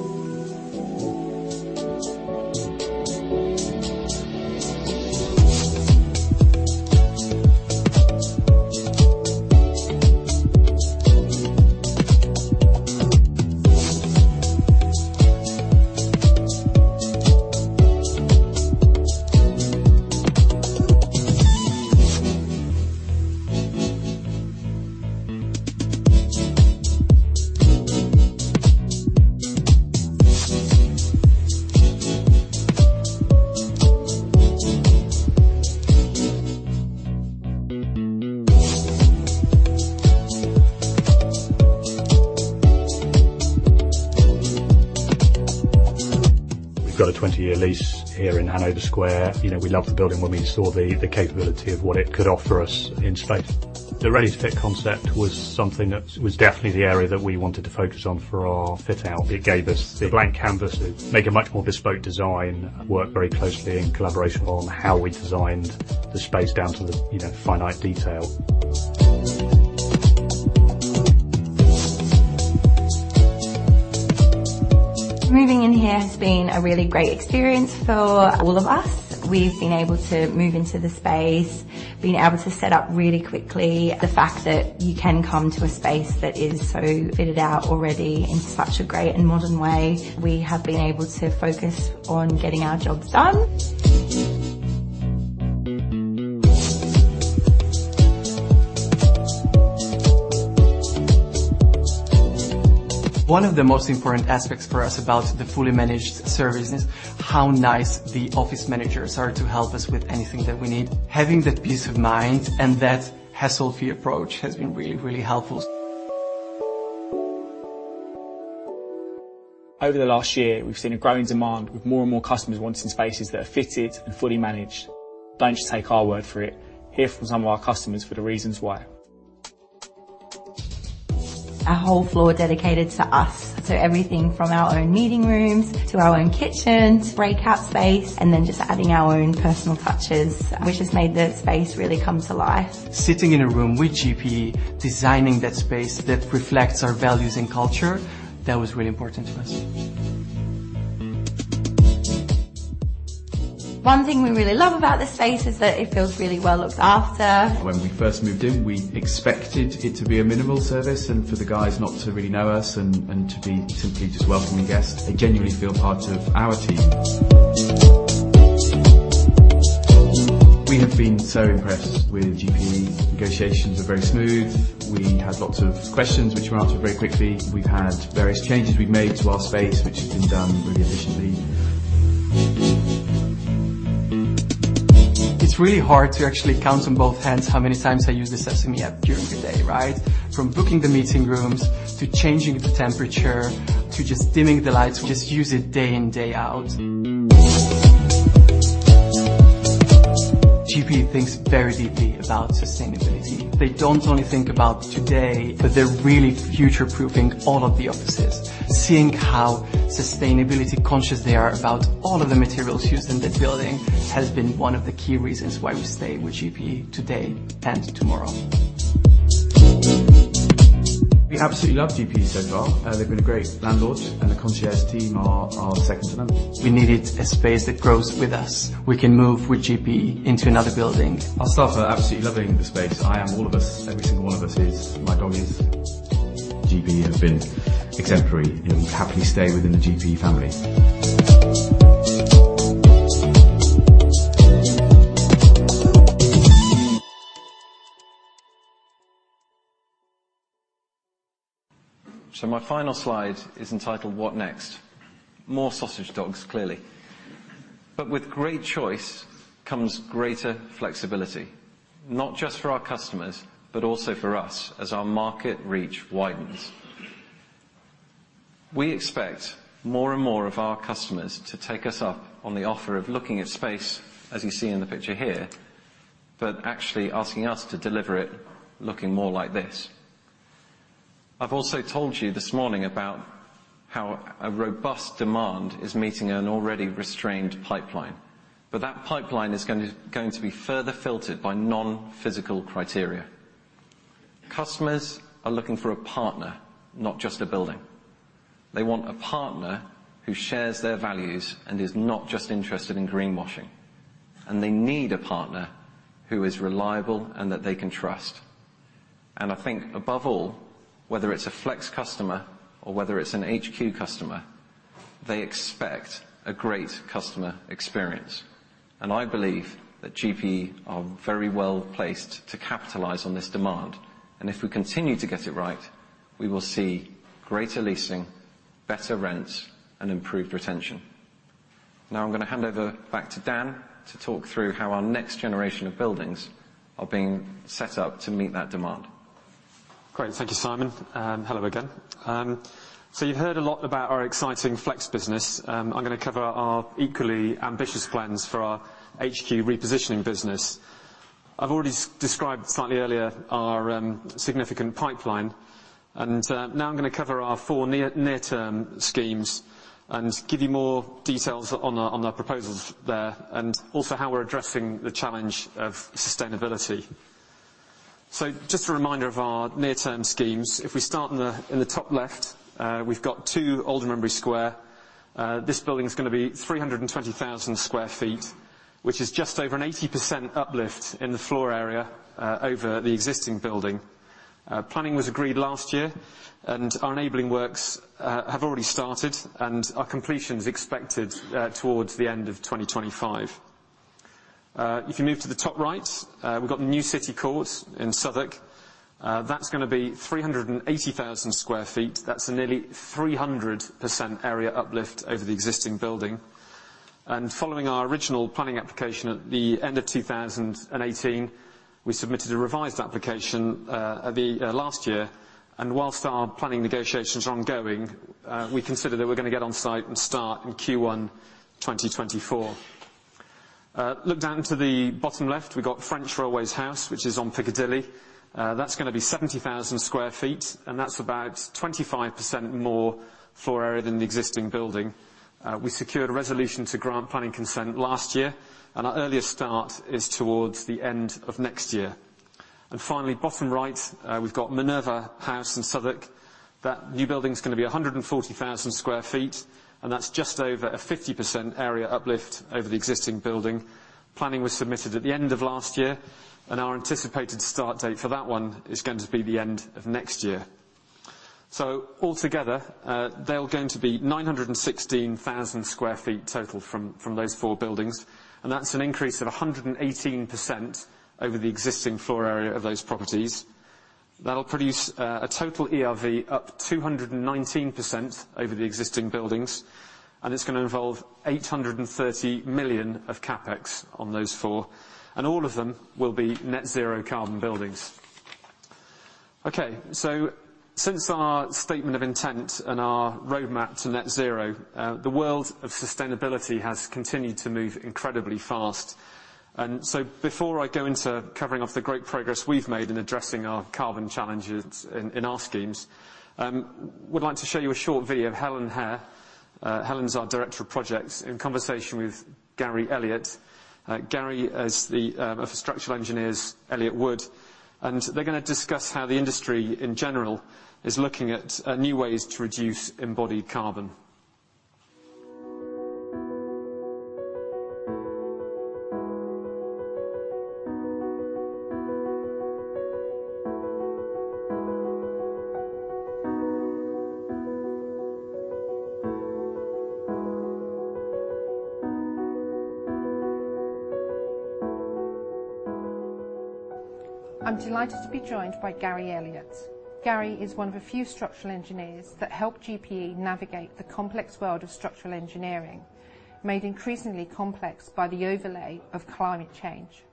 Speaker 5: lease here in Hanover Square. You know, we loved the building when we saw the capability of what it could offer us in space. The Ready to Fit concept was something that was definitely the area that we wanted to focus on for our fit-out. It gave us the blank canvas to make a much more bespoke design, work very closely in collaboration on how we designed the space down to the, you know, finite detail.
Speaker 6: Moving in here has been a really great experience for all of us. We've been able to move into the space, been able to set up really quickly. The fact that you can come to a space that is so fitted out already in such a great and modern way, we have been able to focus on getting our jobs done.
Speaker 7: One of the most important aspects for us about the Fully Managed service is how nice the office managers are to help us with anything that we need. Having that peace of mind and that hassle-free approach has been really, really helpful.
Speaker 4: Over the last year, we've seen a growing demand with more and more customers wanting spaces that are Fitted and Fully Managed. Don't just take our word for it. Hear from some of our customers for the reasons why.
Speaker 6: A whole floor dedicated to us. Everything from our own meeting rooms to our own kitchen, breakout space, and then just adding our own personal touches, which has made the space really come to life.
Speaker 7: Sitting in a room with GPE, designing that space that reflects our values and culture, that was really important to us.
Speaker 6: One thing we really love about this space is that it feels really well looked after.
Speaker 5: When we first moved in, we expected it to be a minimal service and for the guys not to really know us and to be simply just welcoming guests. They genuinely feel part of our team. We have been so impressed with GPE. Negotiations were very smooth. We had lots of questions which were answered very quickly. We've had various changes we've made to our space, which have been done really efficiently.
Speaker 7: It's really hard to actually count on both hands how many times I use the Sesame app during the day, right? From booking the meeting rooms, to changing the temperature, to just dimming the lights. We just use it day in, day out. GPE thinks very deeply about sustainability. They don't only think about today, but they're really future-proofing all of the offices. Seeing how sustainability conscious they are about all of the materials used in the building has been one of the key reasons why we stay with GPE today and tomorrow.
Speaker 5: We absolutely love GPE so far. They've been a great landlord, and the concierge team are second to none.
Speaker 7: We needed a space that grows with us. We can move with GPE into another building.
Speaker 5: Our staff are absolutely loving the space. I am. All of us. Every single one of us is. My dog is. GPE has been exemplary, and we'll happily stay within the GPE family.
Speaker 4: My final slide is entitled What Next? More sausage dogs, clearly. With great choice comes greater flexibility, not just for our customers, but also for us as our market reach widens. We expect more and more of our customers to take us up on the offer of looking at space, as you see in the picture here, but actually asking us to deliver it looking more like this. I've also told you this morning about how a robust demand is meeting an already restrained pipeline, but that pipeline is going to be further filtered by non-physical criteria. Customers are looking for a partner, not just a building. They want a partner who shares their values and is not just interested in greenwashing. They need a partner who is reliable and that they can trust. I think above all, whether it's a flex customer or whether it's an HQ customer, they expect a great customer experience. I believe that GPE are very well-placed to capitalize on this demand. If we continue to get it right, we will see greater leasing, better rents, and improved retention. Now I'm gonna hand over back to Dan to talk through how our next generation of buildings are being set up to meet that demand.
Speaker 2: Great. Thank you, Simon. Hello again. You've heard a lot about our exciting flex business. I'm gonna cover our equally ambitious plans for our HQ repositioning business. I've already described slightly earlier our significant pipeline, and now I'm gonna cover our four near-term schemes and give you more details on the proposals there, and also how we're addressing the challenge of sustainability. Just a reminder of our near-term schemes. If we start in the top left, we've got 2 Aldermanbury Square. This building's gonna be 320,000 sq ft, which is just over an 80% uplift in the floor area over the existing building. Planning was agreed last year, and our enabling works have already started, and our completion's expected towards the end of 2025. If you move to the top right, we've got New City Court in Southwark. That's gonna be 380,000 sq ft. That's a nearly 300% area uplift over the existing building. Following our original planning application at the end of 2018, we submitted a revised application last year. While our planning negotiations are ongoing, we consider that we're gonna get on site and start in Q1 2024. Look down to the bottom left, we've got French Railways House, which is on Piccadilly. That's gonna be 70,000 sq ft, and that's about 25% more floor area than the existing building. We secured a resolution to grant planning consent last year, and our earliest start is towards the end of next year. Finally, bottom right, we've got Minerva House in Southwark. That new building's gonna be 140,000 sq ft, and that's just over 50% area uplift over the existing building. Planning was submitted at the end of last year, and our anticipated start date for that one is going to be the end of next year. Altogether, they're going to be 916,000 sq ft total from those four buildings, and that's an increase of 118% over the existing floor area of those properties. That'll produce a total ERV up 219% over the existing buildings, and it's gonna involve 830 million of CapEx on those four. All of them will be net zero carbon buildings. Okay. Since our statement of intent and our roadmap to net zero, the world of sustainability has continued to move incredibly fast. Before I go into covering off the great progress we've made in addressing our carbon challenges in our schemes, I would like to show you a short video of Helen Hare. Helen's our Director of Projects, in conversation with Gary Elliott. Gary is of structural engineers, Elliott Wood. They're gonna discuss how the industry in general is looking at new ways to reduce embodied carbon.
Speaker 8: I'm delighted to be joined by Gary Elliott. Gary is one of a few structural engineers that help GPE navigate the complex world of structural engineering, made increasingly complex by the overlay of climate change.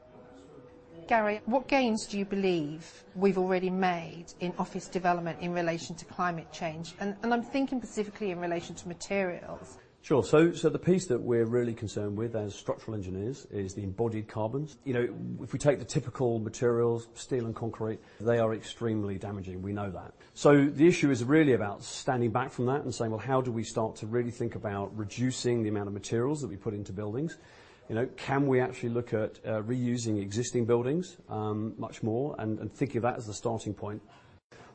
Speaker 8: Gary, what gains do you believe we've already made in office development in relation to climate change? I'm thinking specifically in relation to materials.
Speaker 9: Sure. The piece that we're really concerned with as structural engineers is the embodied carbon. You know, if we take the typical materials, steel and concrete, they are extremely damaging. We know that. The issue is really about standing back from that and saying, "Well, how do we start to really think about reducing the amount of materials that we put into buildings? You know, can we actually look at reusing existing buildings much more, and think of that as a starting point?"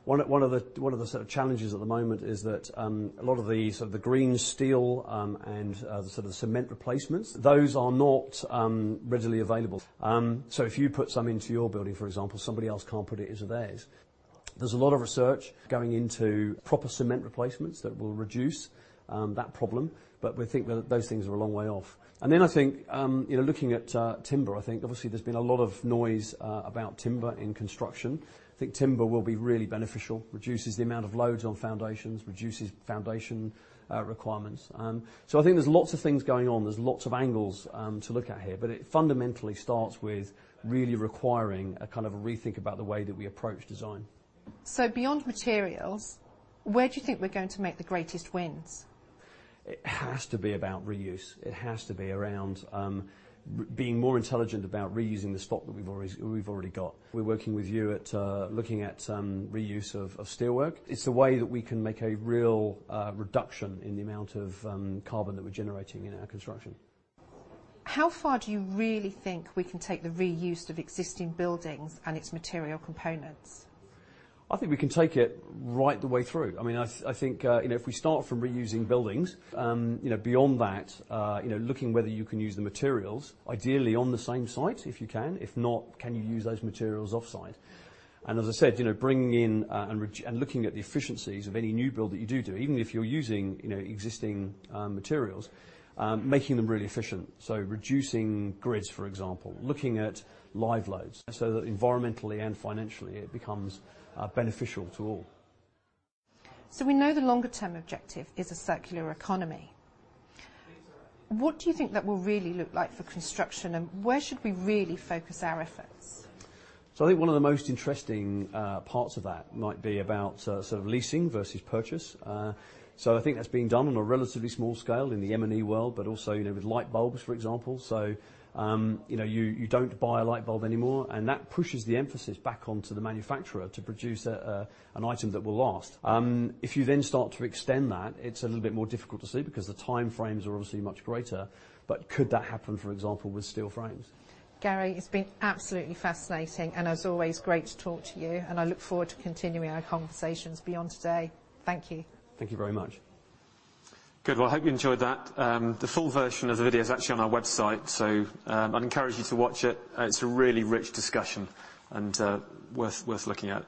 Speaker 9: One of the sort of challenges at the moment is that a lot of the sort of the green steel and the sort of cement replacements, those are not readily available. If you put some into your building, for example, somebody else can't put it into theirs. There's a lot of research going into proper cement replacements that will reduce that problem, but we think those things are a long way off. I think, you know, looking at timber, I think obviously there's been a lot of noise about timber in construction. I think timber will be really beneficial, reduces the amount of loads on foundations, reduces foundation requirements. I think there's lots of things going on. There's lots of angles to look at here, but it fundamentally starts with really requiring a kind of a rethink about the way that we approach design.
Speaker 8: Beyond materials, where do you think we're going to make the greatest wins?
Speaker 9: It has to be about reuse. It has to be around being more intelligent about reusing the stock that we've already got. We're working with you on looking at reuse of steelwork. It's the way that we can make a real reduction in the amount of carbon that we're generating in our construction.
Speaker 8: How far do you really think we can take the reuse of existing buildings and its material components?
Speaker 9: I think we can take it right the way through. I mean, I think you know, if we start from reusing buildings, you know, beyond that, you know, looking whether you can use the materials ideally on the same site if you can. If not, can you use those materials off-site? As I said, you know, bringing in and looking at the efficiencies of any new build that you do, even if you're using you know, existing materials, making them really efficient, so reducing grids, for example, looking at live loads, so that environmentally and financially it becomes beneficial to all.
Speaker 8: We know the longer term objective is a circular economy. What do you think that will really look like for construction, and where should we really focus our efforts?
Speaker 9: I think one of the most interesting parts of that might be about sort of leasing versus purchase. I think that's being done on a relatively small scale in the M&E world, but also, you know, with light bulbs, for example. You know, you don't buy a light bulb anymore, and that pushes the emphasis back onto the manufacturer to produce an item that will last. If you then start to extend that, it's a little bit more difficult to see because the time frames are obviously much greater, but could that happen, for example, with steel frames?
Speaker 8: Gary, it's been absolutely fascinating and as always great to talk to you, and I look forward to continuing our conversations beyond today. Thank you.
Speaker 9: Thank you very much.
Speaker 2: Good. Well, I hope you enjoyed that. The full version of the video is actually on our website, so I'd encourage you to watch it. It's a really rich discussion and worth looking at.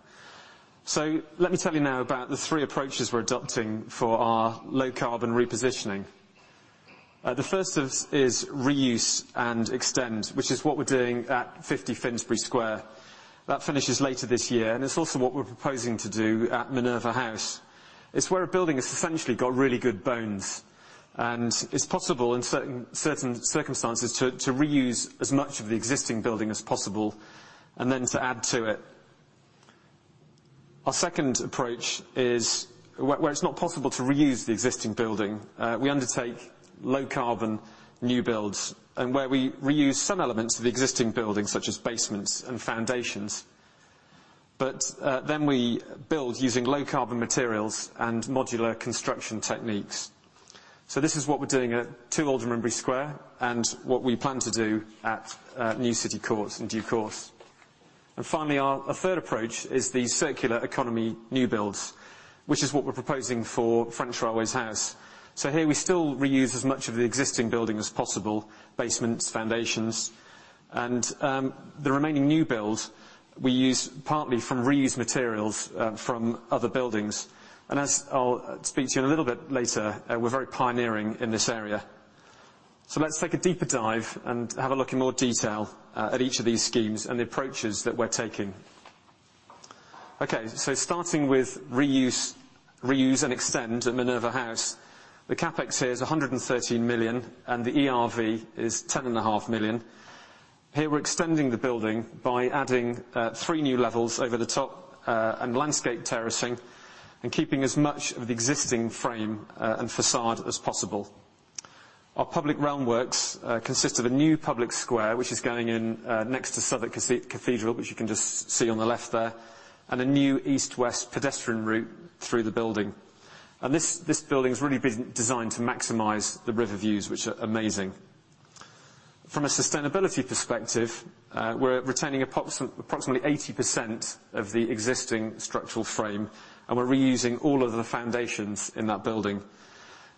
Speaker 2: Let me tell you now about the three approaches we're adopting for our low carbon repositioning. The first is reuse and extend, which is what we're doing at 50 Finsbury Square. That finishes later this year, and it's also what we're proposing to do at Minerva House. It's where a building has essentially got really good bones, and it's possible in certain circumstances to reuse as much of the existing building as possible and then to add to it. Our second approach is where it's not possible to reuse the existing building, we undertake low carbon new builds and where we reuse some elements of the existing building, such as basements and foundations. Then we build using low carbon materials and modular construction techniques. This is what we're doing at 2 Aldermanbury Square and what we plan to do at New City Court in due course. Finally, our third approach is the circular economy new builds, which is what we're proposing for French Railways House. Here we still reuse as much of the existing building as possible, basements, foundations, and the remaining new build we use partly from reused materials from other buildings, and as I'll speak to you in a little bit later, we're very pioneering in this area. Let's take a deeper dive and have a look in more detail at each of these schemes and the approaches that we're taking. Okay, starting with reuse and extend at Minerva House. The CapEx here is 113 million, and the ERV is 10.5 million. Here, we're extending the building by adding 3 new levels over the top and landscape terracing and keeping as much of the existing frame and facade as possible. Our public realm works consist of a new public square, which is going in next to Southwark Cathedral, which you can just see on the left there, and a new east-west pedestrian route through the building. This building has really been designed to maximize the river views, which are amazing. From a sustainability perspective, we're retaining approximately 80% of the existing structural frame, and we're reusing all of the foundations in that building.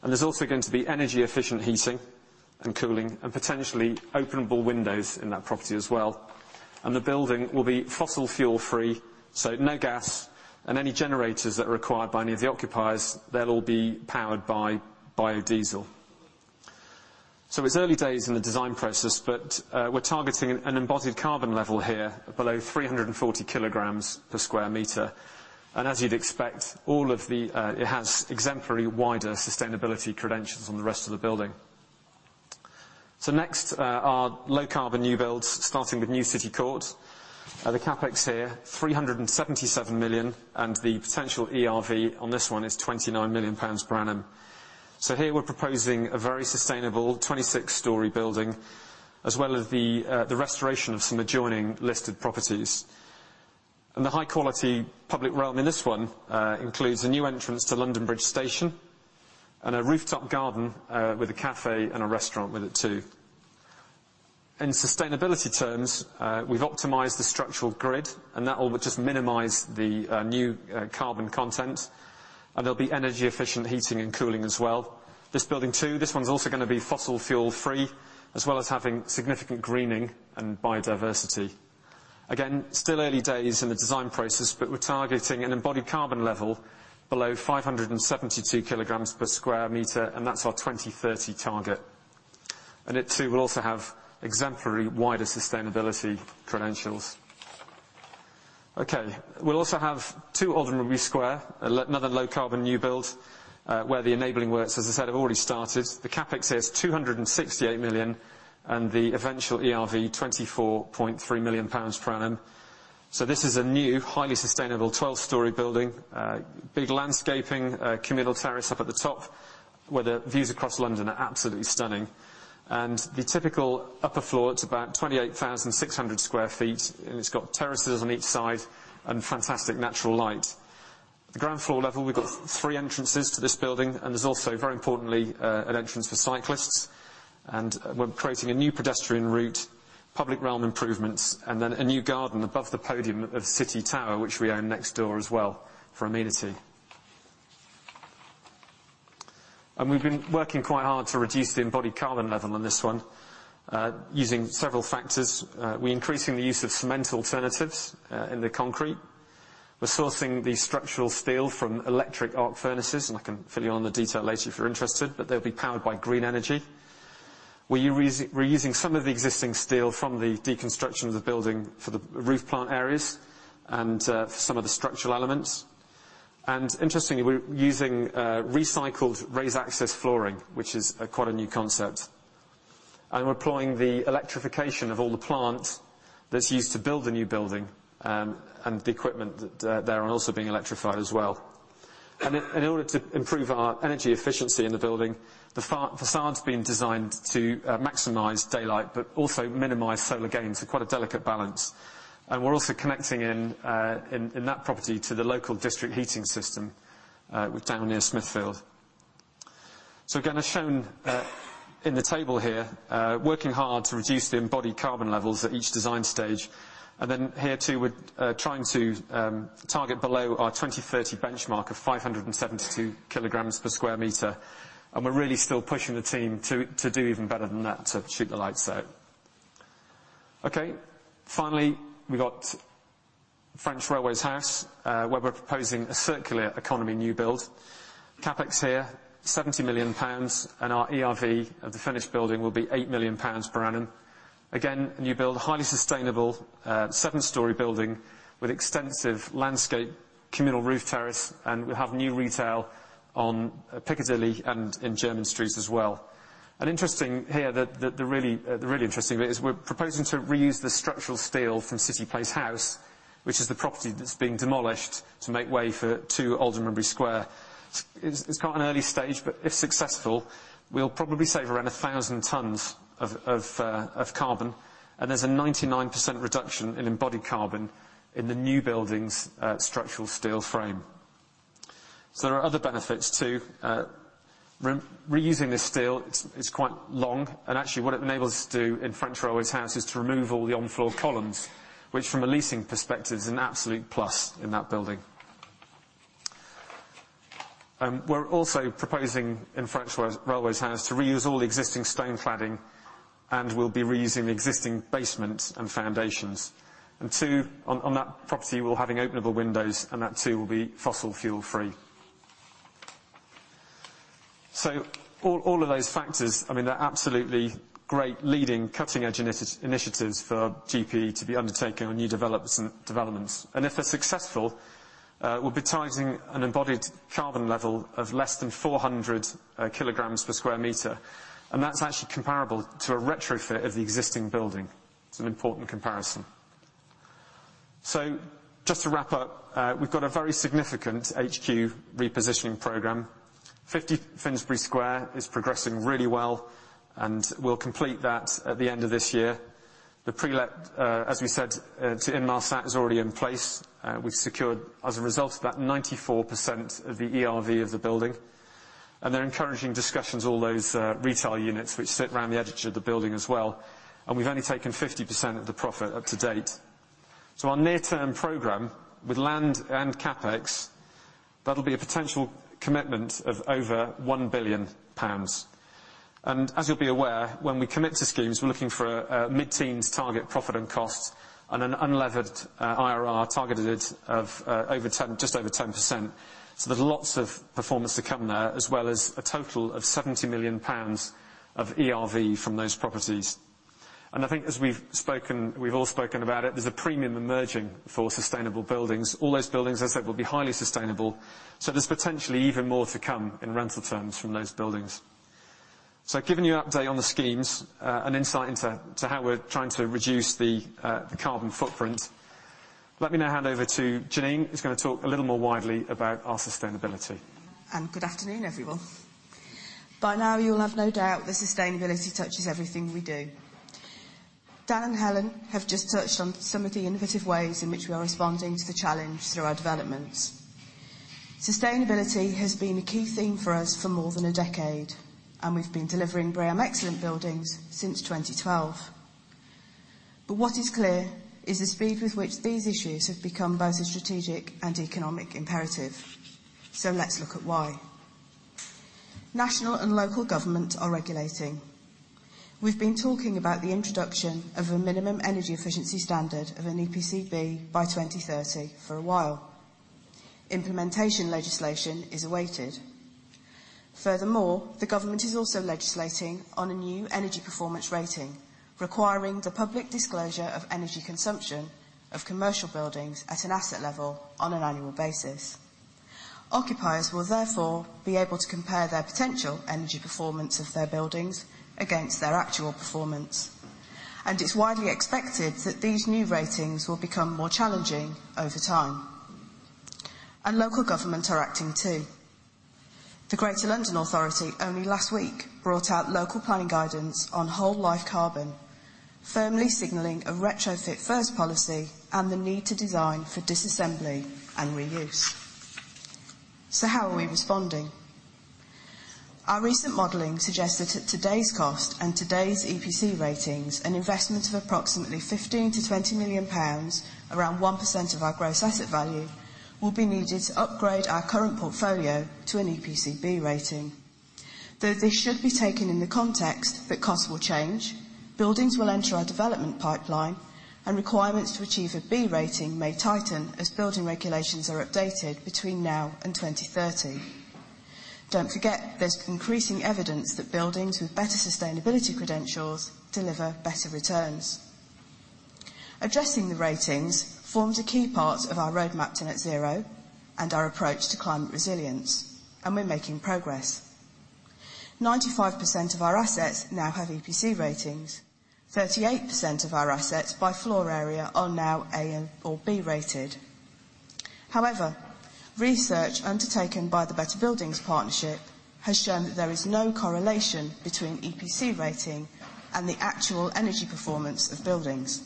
Speaker 2: There's also going to be energy efficient heating and cooling and potentially open-able windows in that property as well. The building will be fossil fuel-free, so no gas and any generators that are required by any of the occupiers, they'll all be powered by biodiesel. It's early days in the design process, but we're targeting an embodied carbon level here below 340 kg/sq m. As you'd expect, all of it has exemplary wider sustainability credentials on the rest of the building. Next are low carbon new builds, starting with New City Court. The CapEx here, 377 million, and the potential ERV on this one is 29 million pounds per annum. Here we're proposing a very sustainable 26-story building, as well as the restoration of some adjoining listed properties. The high-quality public realm in this one includes a new entrance to London Bridge Station and a rooftop garden with a cafe and a restaurant with it too. In sustainability terms, we've optimized the structural grid, and that will just minimize the new carbon content, and there'll be energy-efficient heating and cooling as well. This building too, this one's also gonna be fossil fuel-free, as well as having significant greening and biodiversity. Again, still early days in the design process, but we're targeting an embodied carbon level below 572 kg per sq m, and that's our 2030 target. It too will also have exemplary wider sustainability credentials. Okay. We'll also have 2 Aldermanbury Square, another low carbon new build, where the enabling works, as I said, have already started. The CapEx is 268 million, and the eventual ERV, 24.3 million pounds per annum. This is a new, highly sustainable 12-story building. Big landscaping, communal terrace up at the top, where the views across London are absolutely stunning. The typical upper floor is about 28,600 sq ft, and it's got terraces on each side and fantastic natural light. The ground floor level, we've got three entrances to this building, and there's also, very importantly, an entrance for cyclists. We're creating a new pedestrian route, public realm improvements, and then a new garden above the podium of City Tower, which we own next door as well for amenity. We've been working quite hard to reduce the embodied carbon level on this one, using several factors. We're increasing the use of cement alternatives in the concrete. We're sourcing the structural steel from electric arc furnaces, and I can fill you in on the details later if you're interested, but they'll be powered by green energy. We're using some of the existing steel from the deconstruction of the building for the roof plant areas and for some of the structural elements. Interestingly, we're using recycled raised access flooring, which is quite a new concept. We're employing the electrification of all the plant that's used to build the new building, and the equipment that therein are also being electrified as well. In order to improve our energy efficiency in the building, the façade's been designed to maximize daylight, but also minimize solar gain, so quite a delicate balance. We're also connecting in that property to the local district heating system with down near Smithfield. Again, as shown in the table here, working hard to reduce the embodied carbon levels at each design stage. Then here, too, we're trying to target below our 2030 benchmark of 572 kg per sq m. We're really still pushing the team to do even better than that, to shoot the lights out. Okay. Finally, we've got French Railways House, where we're proposing a circular economy new build. CapEx here, 70 million pounds, and our ERV of the finished building will be 8 million pounds per annum. Again, a new build, highly sustainable, 7-story building with extensive landscape, communal roof terrace, and we have new retail on Piccadilly and in Jermyn Street as well. Interesting here, the really interesting bit is we're proposing to reuse the structural steel from City Place House, which is the property that's being demolished to make way for 2 Aldermanbury Square. It's quite an early stage, but if successful, we'll probably save around 1,000 tons of carbon, and there's a 99% reduction in embodied carbon in the new building's structural steel frame. There are other benefits, too. Reusing this steel, it's quite long, and actually what it enables us to do in French Railways House is to remove all the on-floor columns, which from a leasing perspective is an absolute plus in that building. We're also proposing in French Railways House to reuse all the existing stone cladding, and we'll be reusing the existing basement and foundations. Too, on that property, we'll have openable windows, and that too will be fossil fuel-free. All of those factors, I mean, they're absolutely great leading, cutting-edge initiatives for GPE to be undertaking on new developments and developments. If they're successful, we'll be targeting an embodied carbon level of less than 400 kg per sq m, and that's actually comparable to a retrofit of the existing building. It's an important comparison. Just to wrap up, we've got a very significant HQ repositioning program. 50 Finsbury Square is progressing really well, and we'll complete that at the end of this year. The pre-let, as we said, to Inmarsat is already in place. We've secured, as a result of that, 94% of the ERV of the building. There are encouraging discussions, all those, retail units which sit around the edge of the building as well, and we've only taken 50% of the profit up to date. Our near-term program with land and CapEx, that'll be a potential commitment of over 1 billion pounds. As you'll be aware, when we commit to schemes, we're looking for a mid-teens target profit and cost and an unlevered IRR targeted at over 10, just over 10%. There's lots of performance to come there, as well as a total of 70 million pounds of ERV from those properties. I think as we've spoken, we've all spoken about it, there's a premium emerging for sustainable buildings. All those buildings, as I said, will be highly sustainable, so there's potentially even more to come in rental terms from those buildings. I've given you an update on the schemes, an insight into how we're trying to reduce the carbon footprint. Let me now hand over to Janine, who's gonna talk a little more widely about our sustainability.
Speaker 10: Good afternoon, everyone. By now, you'll have no doubt that sustainability touches everything we do. Dan and Helen have just touched on some of the innovative ways in which we are responding to the challenge through our developments. Sustainability has been a key theme for us for more than a decade, and we've been delivering BREEAM excellent buildings since 2012. What is clear is the speed with which these issues have become both a strategic and economic imperative. Let's look at why. National and local government are regulating. We've been talking about the introduction of a minimum energy efficiency standard of an EPC-B by 2030 for a while. Implementation legislation is awaited. Furthermore, the government is also legislating on a new energy performance rating, requiring the public disclosure of energy consumption of commercial buildings at an asset level on an annual basis. Occupiers will therefore be able to compare their potential energy performance of their buildings against their actual performance, and it's widely expected that these new ratings will become more challenging over time. Local government are acting too. The Greater London Authority only last week brought out local planning guidance on whole-life carbon, firmly signaling a retrofit-first policy and the need to design for disassembly and reuse. How are we responding? Our recent modeling suggests that at today's cost and today's EPC ratings, an investment of approximately 15 million-20 million pounds, around 1% of our gross asset value, will be needed to upgrade our current portfolio to an EPC-B rating. Though this should be taken in the context that costs will change, buildings will enter our development pipeline, and requirements to achieve a B rating may tighten as building regulations are updated between now and 2030. Don't forget, there's increasing evidence that buildings with better sustainability credentials deliver better returns. Addressing the ratings forms a key part of our roadmap to net zero and our approach to climate resilience, and we're making progress. 95% of our assets now have EPC ratings. 38% of our assets by floor area are now A or B rated. However, research undertaken by the Better Buildings Partnership has shown that there is no correlation between EPC rating and the actual energy performance of buildings.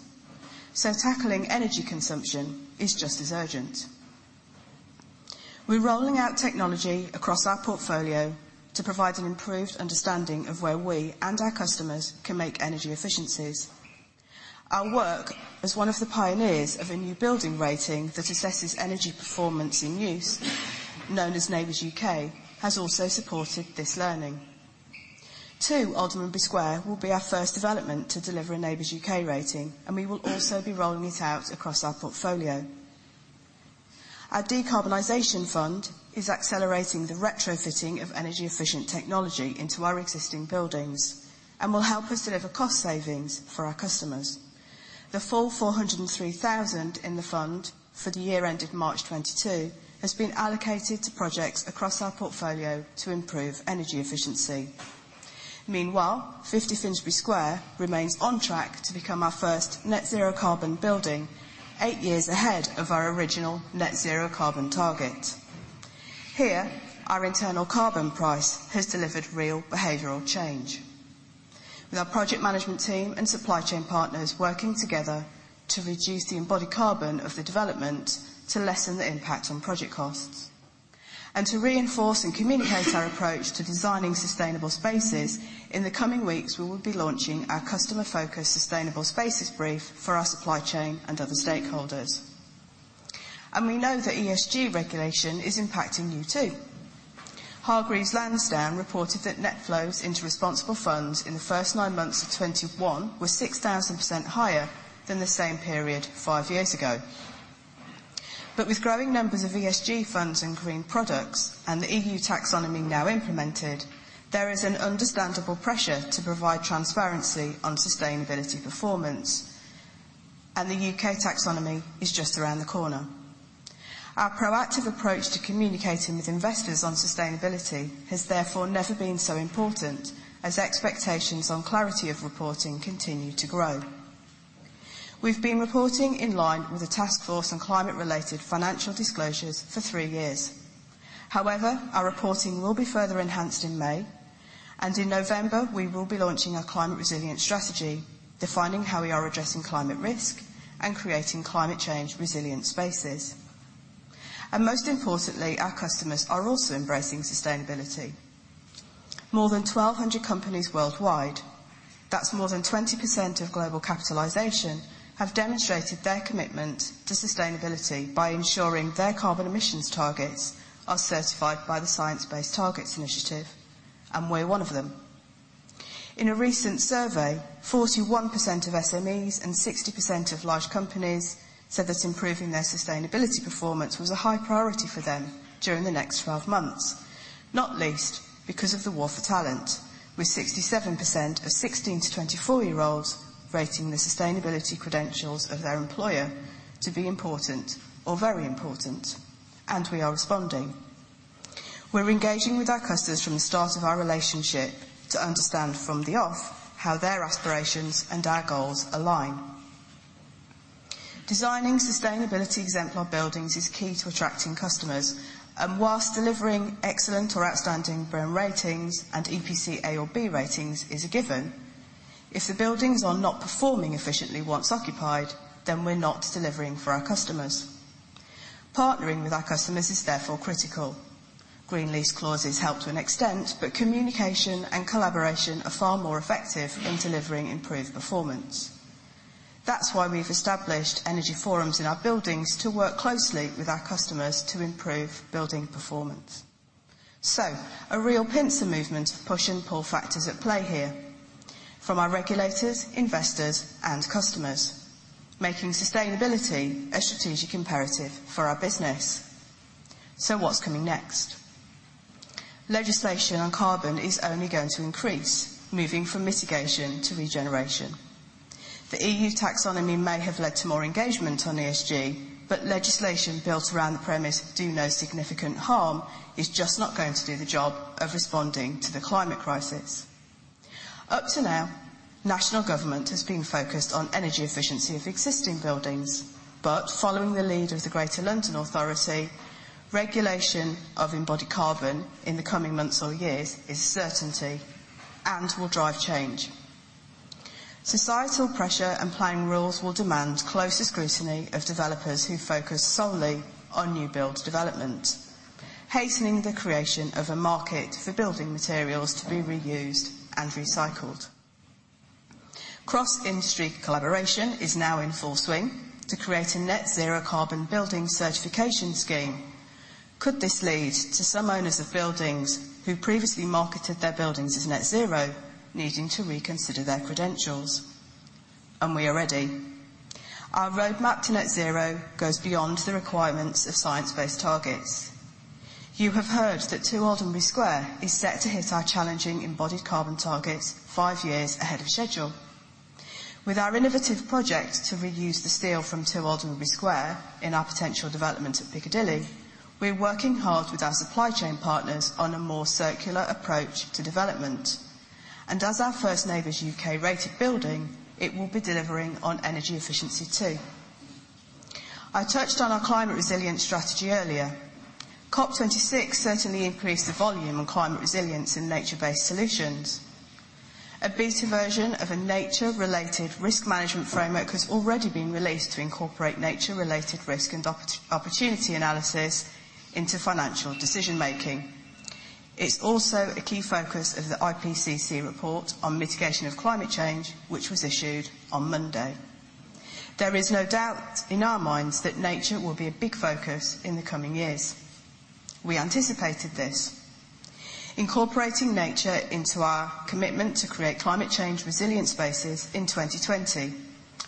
Speaker 10: Tackling energy consumption is just as urgent. We're rolling out technology across our portfolio to provide an improved understanding of where we and our customers can make energy efficiencies. Our work as one of the pioneers of a new building rating that assesses energy performance in use, known as NABERS UK, has also supported this learning. 2 Aldermanbury Square will be our first development to deliver a NABERS UK rating, and we will also be rolling it out across our portfolio. Our decarbonization fund is accelerating the retrofitting of energy-efficient technology into our existing buildings and will help us deliver cost savings for our customers. The full 403,000 in the fund for the year ending March 2022 has been allocated to projects across our portfolio to improve energy efficiency. Meanwhile, 50 Finsbury Square remains on track to become our first net zero carbon building eight years ahead of our original net zero carbon target. Here, our internal carbon price has delivered real behavioral change. With our project management team and supply chain partners working together to reduce the embodied carbon of the development to lessen the impact on project costs. To reinforce and communicate our approach to designing sustainable spaces, in the coming weeks, we will be launching our customer-focused sustainable spaces brief for our supply chain and other stakeholders. We know that ESG regulation is impacting you too. Hargreaves Lansdown reported that net flows into responsible funds in the first nine months of 2021 were 6,000% higher than the same period five years ago. With growing numbers of ESG funds and green products and the EU Taxonomy now implemented, there is an understandable pressure to provide transparency on sustainability performance, and the UK Green Taxonomy is just around the corner. Our proactive approach to communicating with investors on sustainability has therefore never been so important as expectations on clarity of reporting continue to grow. We've been reporting in line with the Task Force on Climate-related Financial Disclosures for three years. However, our reporting will be further enhanced in May, and in November, we will be launching our climate resilience strategy, defining how we are addressing climate risk and creating climate change resilient spaces. Most importantly, our customers are also embracing sustainability. More than 1,200 companies worldwide, that's more than 20% of global capitalization, have demonstrated their commitment to sustainability by ensuring their carbon emissions targets are certified by the Science Based Targets initiative, and we're one of them. In a recent survey, 41% of SMEs and 60% of large companies said that improving their sustainability performance was a high priority for them during the next 12 months. Not least because of the war for talent, with 67% of 16-24-year-olds rating the sustainability credentials of their employer to be important or very important, and we are responding. We're engaging with our customers from the start of our relationship to understand from the off how their aspirations and our goals align. Designing sustainability exemplar buildings is key to attracting customers, and while delivering excellent or outstanding BREEAM ratings and EPC A or B ratings is a given, if the buildings are not performing efficiently once occupied, then we're not delivering for our customers. Partnering with our customers is therefore critical. Green lease clauses help to an extent, but communication and collaboration are far more effective in delivering improved performance. That's why we've established energy forums in our buildings to work closely with our customers to improve building performance. A real pincer movement of push and pull factors at play here from our regulators, investors, and customers, making sustainability a strategic imperative for our business. What's coming next? Legislation on carbon is only going to increase, moving from mitigation to regeneration. The EU taxonomy may have led to more engagement on ESG, but legislation built around the premise do no significant harm is just not going to do the job of responding to the climate crisis. Up to now, national government has been focused on energy efficiency of existing buildings, but following the lead of the Greater London Authority, regulation of embodied carbon in the coming months or years is certain and will drive change. Societal pressure and playing rules will demand close scrutiny of developers who focus solely on new build development, hastening the creation of a market for building materials to be reused and recycled. Cross-industry collaboration is now in full swing to create a net zero carbon building certification scheme. Could this lead to some owners of buildings who previously marketed their buildings as net zero needing to reconsider their credentials? We are ready. Our roadmap to net zero goes beyond the requirements of science-based targets. You have heard that 2 Aldermanbury Square is set to hit our challenging embodied carbon targets five years ahead of schedule. With our innovative project to reuse the steel from 2 Aldermanbury Square in our potential development at Piccadilly, we're working hard with our supply chain partners on a more circular approach to development, and as our first NABERS UK-rated building, it will be delivering on energy efficiency too. I touched on our climate resilience strategy earlier. COP26 certainly increased the volume on climate resilience and nature-based solutions. A beta version of a nature-related risk management framework has already been released to incorporate nature-related risk and opportunity analysis into financial decision-making. It's also a key focus of the IPCC report on mitigation of climate change, which was issued on Monday. There is no doubt in our minds that nature will be a big focus in the coming years. We anticipated this, incorporating nature into our commitment to create climate change resilient spaces in 2020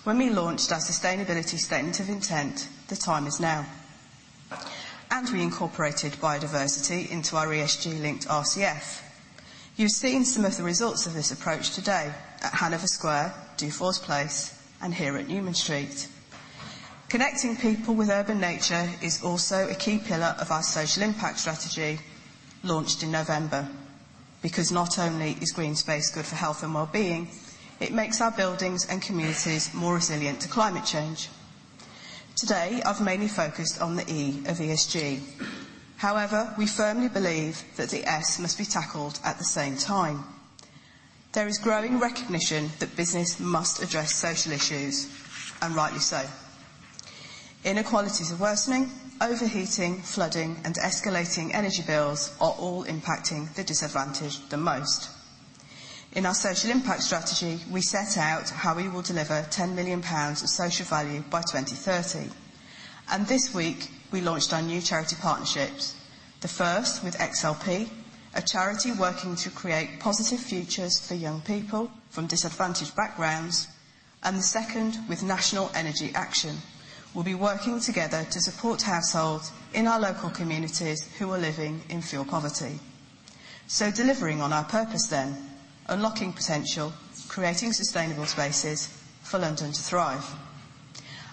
Speaker 10: when we launched our sustainability statement of intent: The Time is Now. We incorporated biodiversity into our ESG-linked RCF. You've seen some of the results of this approach today at Hanover Square, Dufours Place, and here at Newman Street. Connecting people with urban nature is also a key pillar of our social impact strategy launched in November, because not only is green space good for health and wellbeing, it makes our buildings and communities more resilient to climate change. Today, I've mainly focused on the E of ESG. However, we firmly believe that the S must be tackled at the same time. There is growing recognition that business must address social issues, and rightly so. Inequalities are worsening. Overheating, flooding, and escalating energy bills are all impacting the disadvantaged the most. In our social impact strategy, we set out how we will deliver 10 million pounds of social value by 2030. This week, we launched our new charity partnerships, the first with XLP, a charity working to create positive futures for young people from disadvantaged backgrounds, and the second with National Energy Action. We'll be working together to support households in our local communities who are living in fuel poverty. Delivering on our purpose then, unlocking potential, creating sustainable spaces for London to thrive.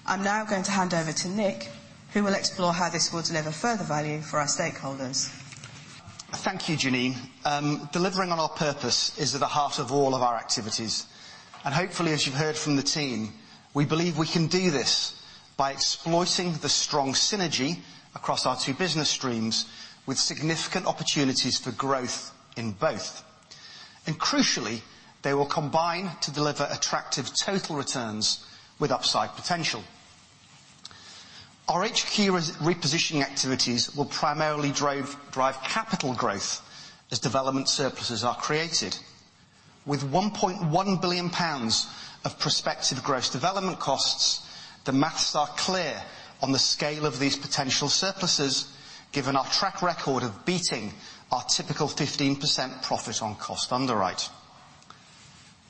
Speaker 10: I'm now going to hand over to Nick, who will explore how this will deliver further value for our stakeholders.
Speaker 11: Thank you, Janine. Delivering on our purpose is at the heart of all of our activities, and hopefully, as you've heard from the team, we believe we can do this by exploiting the strong synergy across our two business streams with significant opportunities for growth in both. Crucially, they will combine to deliver attractive total returns with upside potential. Our HQ repositioning activities will primarily drive capital growth as development surpluses are created. With 1.1 billion pounds of prospective gross development costs, the math is clear on the scale of these potential surpluses, given our track record of beating our typical 15% profit on cost underwrite.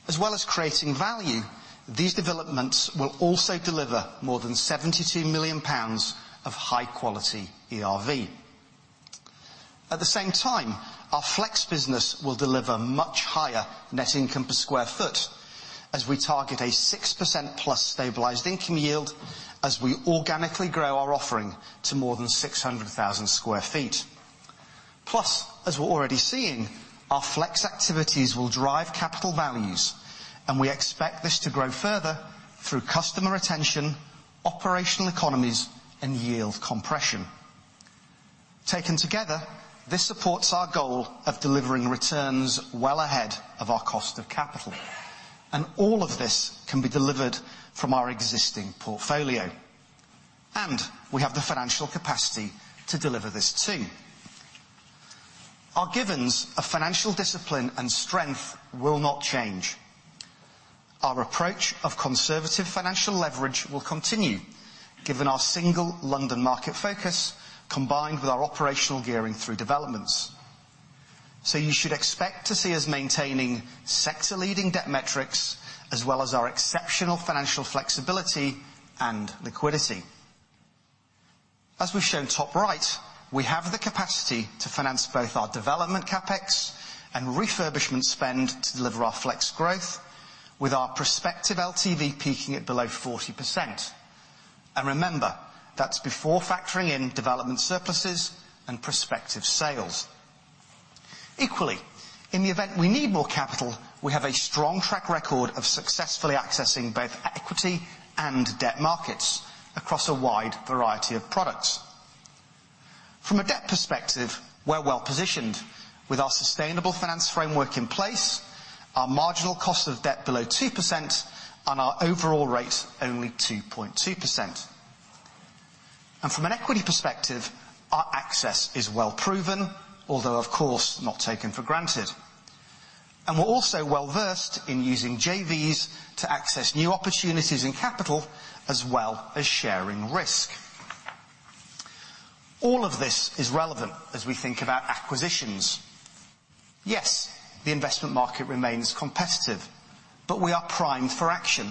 Speaker 11: As well as creating value, these developments will also deliver more than 72 million pounds of high-quality ERV. At the same time, our flex business will deliver much higher net income per sq ft as we target a 6%+ stabilized income yield as we organically grow our offering to more than 600,000 sq ft. Plus, as we're already seeing, our flex activities will drive capital values, and we expect this to grow further through customer retention, operational economies, and yield compression. Taken together, this supports our goal of delivering returns well ahead of our cost of capital. All of this can be delivered from our existing portfolio. We have the financial capacity to deliver this, too. Our givens of financial discipline and strength will not change. Our approach of conservative financial leverage will continue given our single London market focus, combined with our operational gearing through developments. You should expect to see us maintaining sector-leading debt metrics, as well as our exceptional financial flexibility and liquidity. As we've shown top right, we have the capacity to finance both our development CapEx and refurbishment spend to deliver our flex growth, with our prospective LTV peaking at below 40%. Remember, that's before factoring in development surpluses and prospective sales. Equally, in the event we need more capital, we have a strong track record of successfully accessing both equity and debt markets across a wide variety of products. From a debt perspective, we're well-positioned, with our sustainable finance framework in place, our marginal cost of debt below 2%, and our overall rate only 2.2%. From an equity perspective, our access is well-proven, although, of course, not taken for granted. We're also well-versed in using JVs to access new opportunities in capital, as well as sharing risk. All of this is relevant as we think about acquisitions. Yes, the investment market remains competitive, but we are primed for action,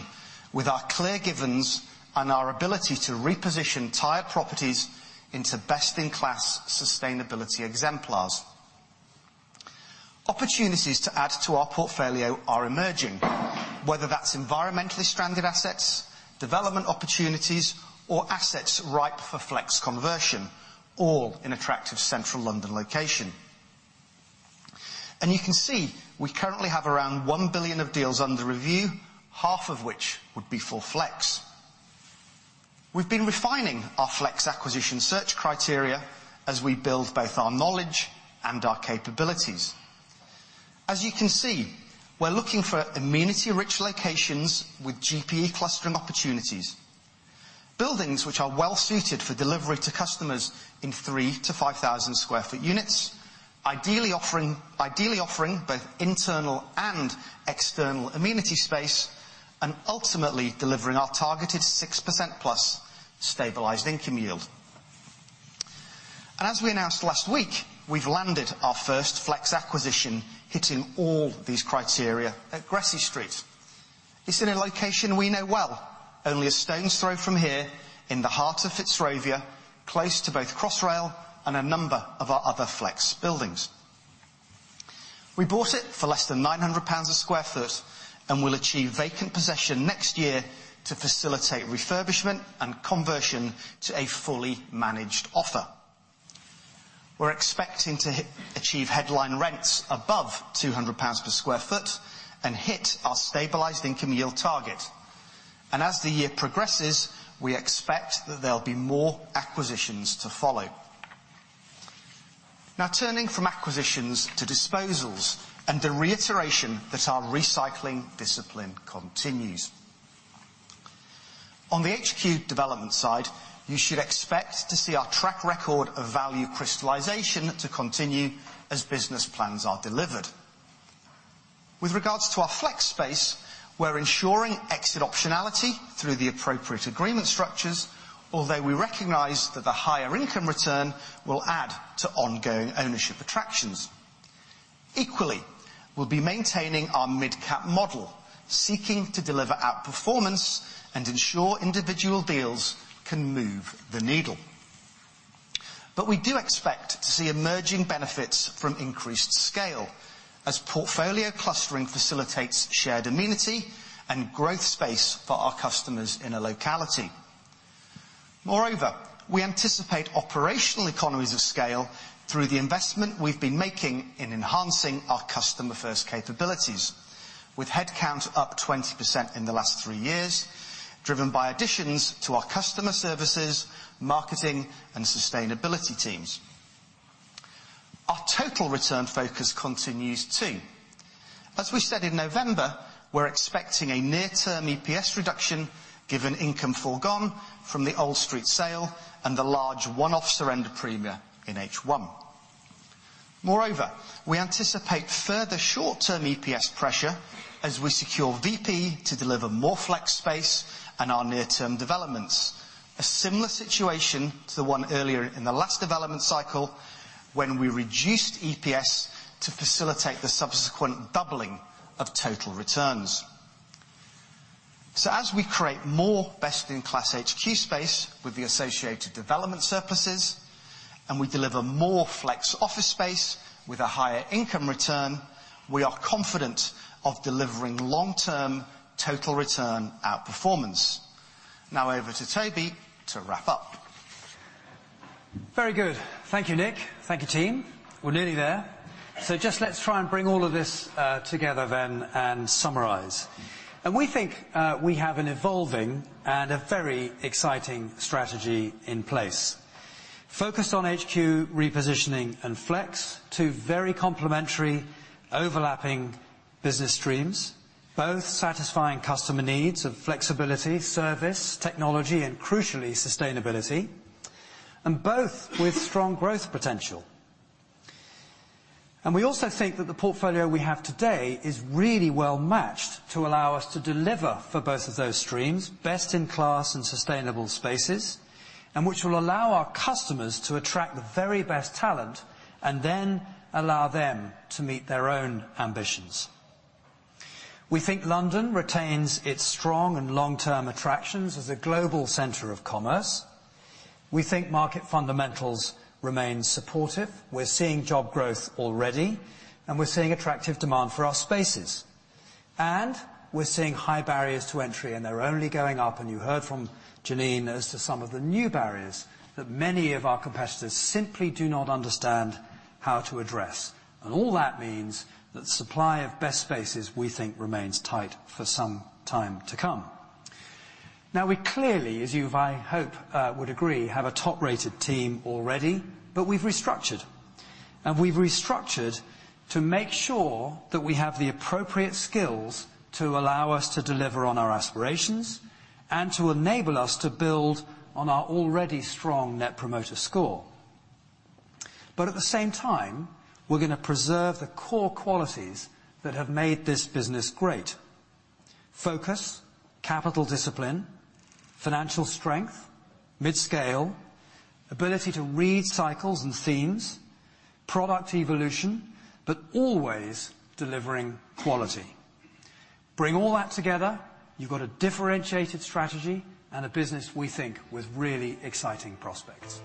Speaker 11: with our clear givens and our ability to reposition tired properties into best-in-class sustainability exemplars. Opportunities to add to our portfolio are emerging, whether that's environmentally stranded assets, development opportunities, or assets ripe for Flex conversion, all in attractive central London location. You can see we currently have around 1 billion of deals under review, half of which would be for Flex. We've been refining our Flex acquisition search criteria as we build both our knowledge and our capabilities. As you can see, we're looking for amenity-rich locations with GPE clustering opportunities, buildings which are well-suited for delivery to customers in 3,000-5,000 sq ft units, ideally offering both internal and external amenity space, and ultimately delivering our targeted 6%+ stabilized income yield. As we announced last week, we've landed our first flex acquisition, hitting all these criteria, at Gresse Street. It's in a location we know well, only a stone's throw from here in the heart of Fitzrovia, close to both Crossrail and a number of our other flex buildings. We bought it for less than 900 GBP/sq ft, and we'll achieve vacant possession next year to facilitate refurbishment and conversion to a fully managed offer. We're expecting to achieve headline rents above 200 GBP/sq ft and hit our stabilized income yield target. As the year progresses, we expect that there'll be more acquisitions to follow. Now turning from acquisitions to disposals, and the reiteration that our recycling discipline continues. On the HQ development side, you should expect to see our track record of value crystallization to continue as business plans are delivered. With regards to our flex space, we're ensuring exit optionality through the appropriate agreement structures, although we recognize that the higher income return will add to ongoing ownership attractions. Equally, we'll be maintaining our mid-cap model, seeking to deliver outperformance and ensure individual deals can move the needle. We do expect to see emerging benefits from increased scale as portfolio clustering facilitates shared amenity and growth space for our customers in a locality. Moreover, we anticipate operational economies of scale through the investment we've been making in enhancing our customer-first capabilities, with headcount up 20% in the last three years, driven by additions to our customer services, marketing, and sustainability teams. Our total return focus continues too. As we said in November, we're expecting a near-term EPS reduction given income foregone from the Old Street sale and the large one-off surrender premium in H1. Moreover, we anticipate further short-term EPS pressure as we secure VP to deliver more flex space and our near-term developments. A similar situation to the one earlier in the last development cycle when we reduced EPS to facilitate the subsequent doubling of total returns. As we create more best-in-class HQ space with the associated development surpluses, and we deliver more Flex office space with a higher income return, we are confident of delivering long-term total return outperformance. Now over to Toby to wrap up.
Speaker 1: Very good. Thank you, Nick. Thank you, team. We're nearly there. Just let's try and bring all of this together then and summarize. We think we have an evolving and a very exciting strategy in place. Focused on HQ repositioning and flex, two very complementary overlapping business streams, both satisfying customer needs of flexibility, service, technology, and crucially, sustainability, and both with strong growth potential. We also think that the portfolio we have today is really well-matched to allow us to deliver for both of those streams best-in-class and sustainable spaces, and which will allow our customers to attract the very best talent and then allow them to meet their own ambitions. We think London retains its strong and long-term attractions as a global center of commerce. We think market fundamentals remain supportive. We're seeing job growth already, and we're seeing attractive demand for our spaces. We're seeing high barriers to entry, and they're only going up, and you heard from Janine as to some of the new barriers that many of our competitors simply do not understand how to address. All that means that supply of best spaces we think remains tight for some time to come. Now, we clearly, as you, I hope, would agree, have a top-rated team already, but we've restructured. We've restructured to make sure that we have the appropriate skills to allow us to deliver on our aspirations and to enable us to build on our already strong Net Promoter Score. At the same time, we're gonna preserve the core qualities that have made this business great, focus, capital discipline, financial strength, mid-scale, ability to read cycles and themes, product evolution, but always delivering quality. Bring all that together, you've got a differentiated strategy and a business we think with really exciting prospects.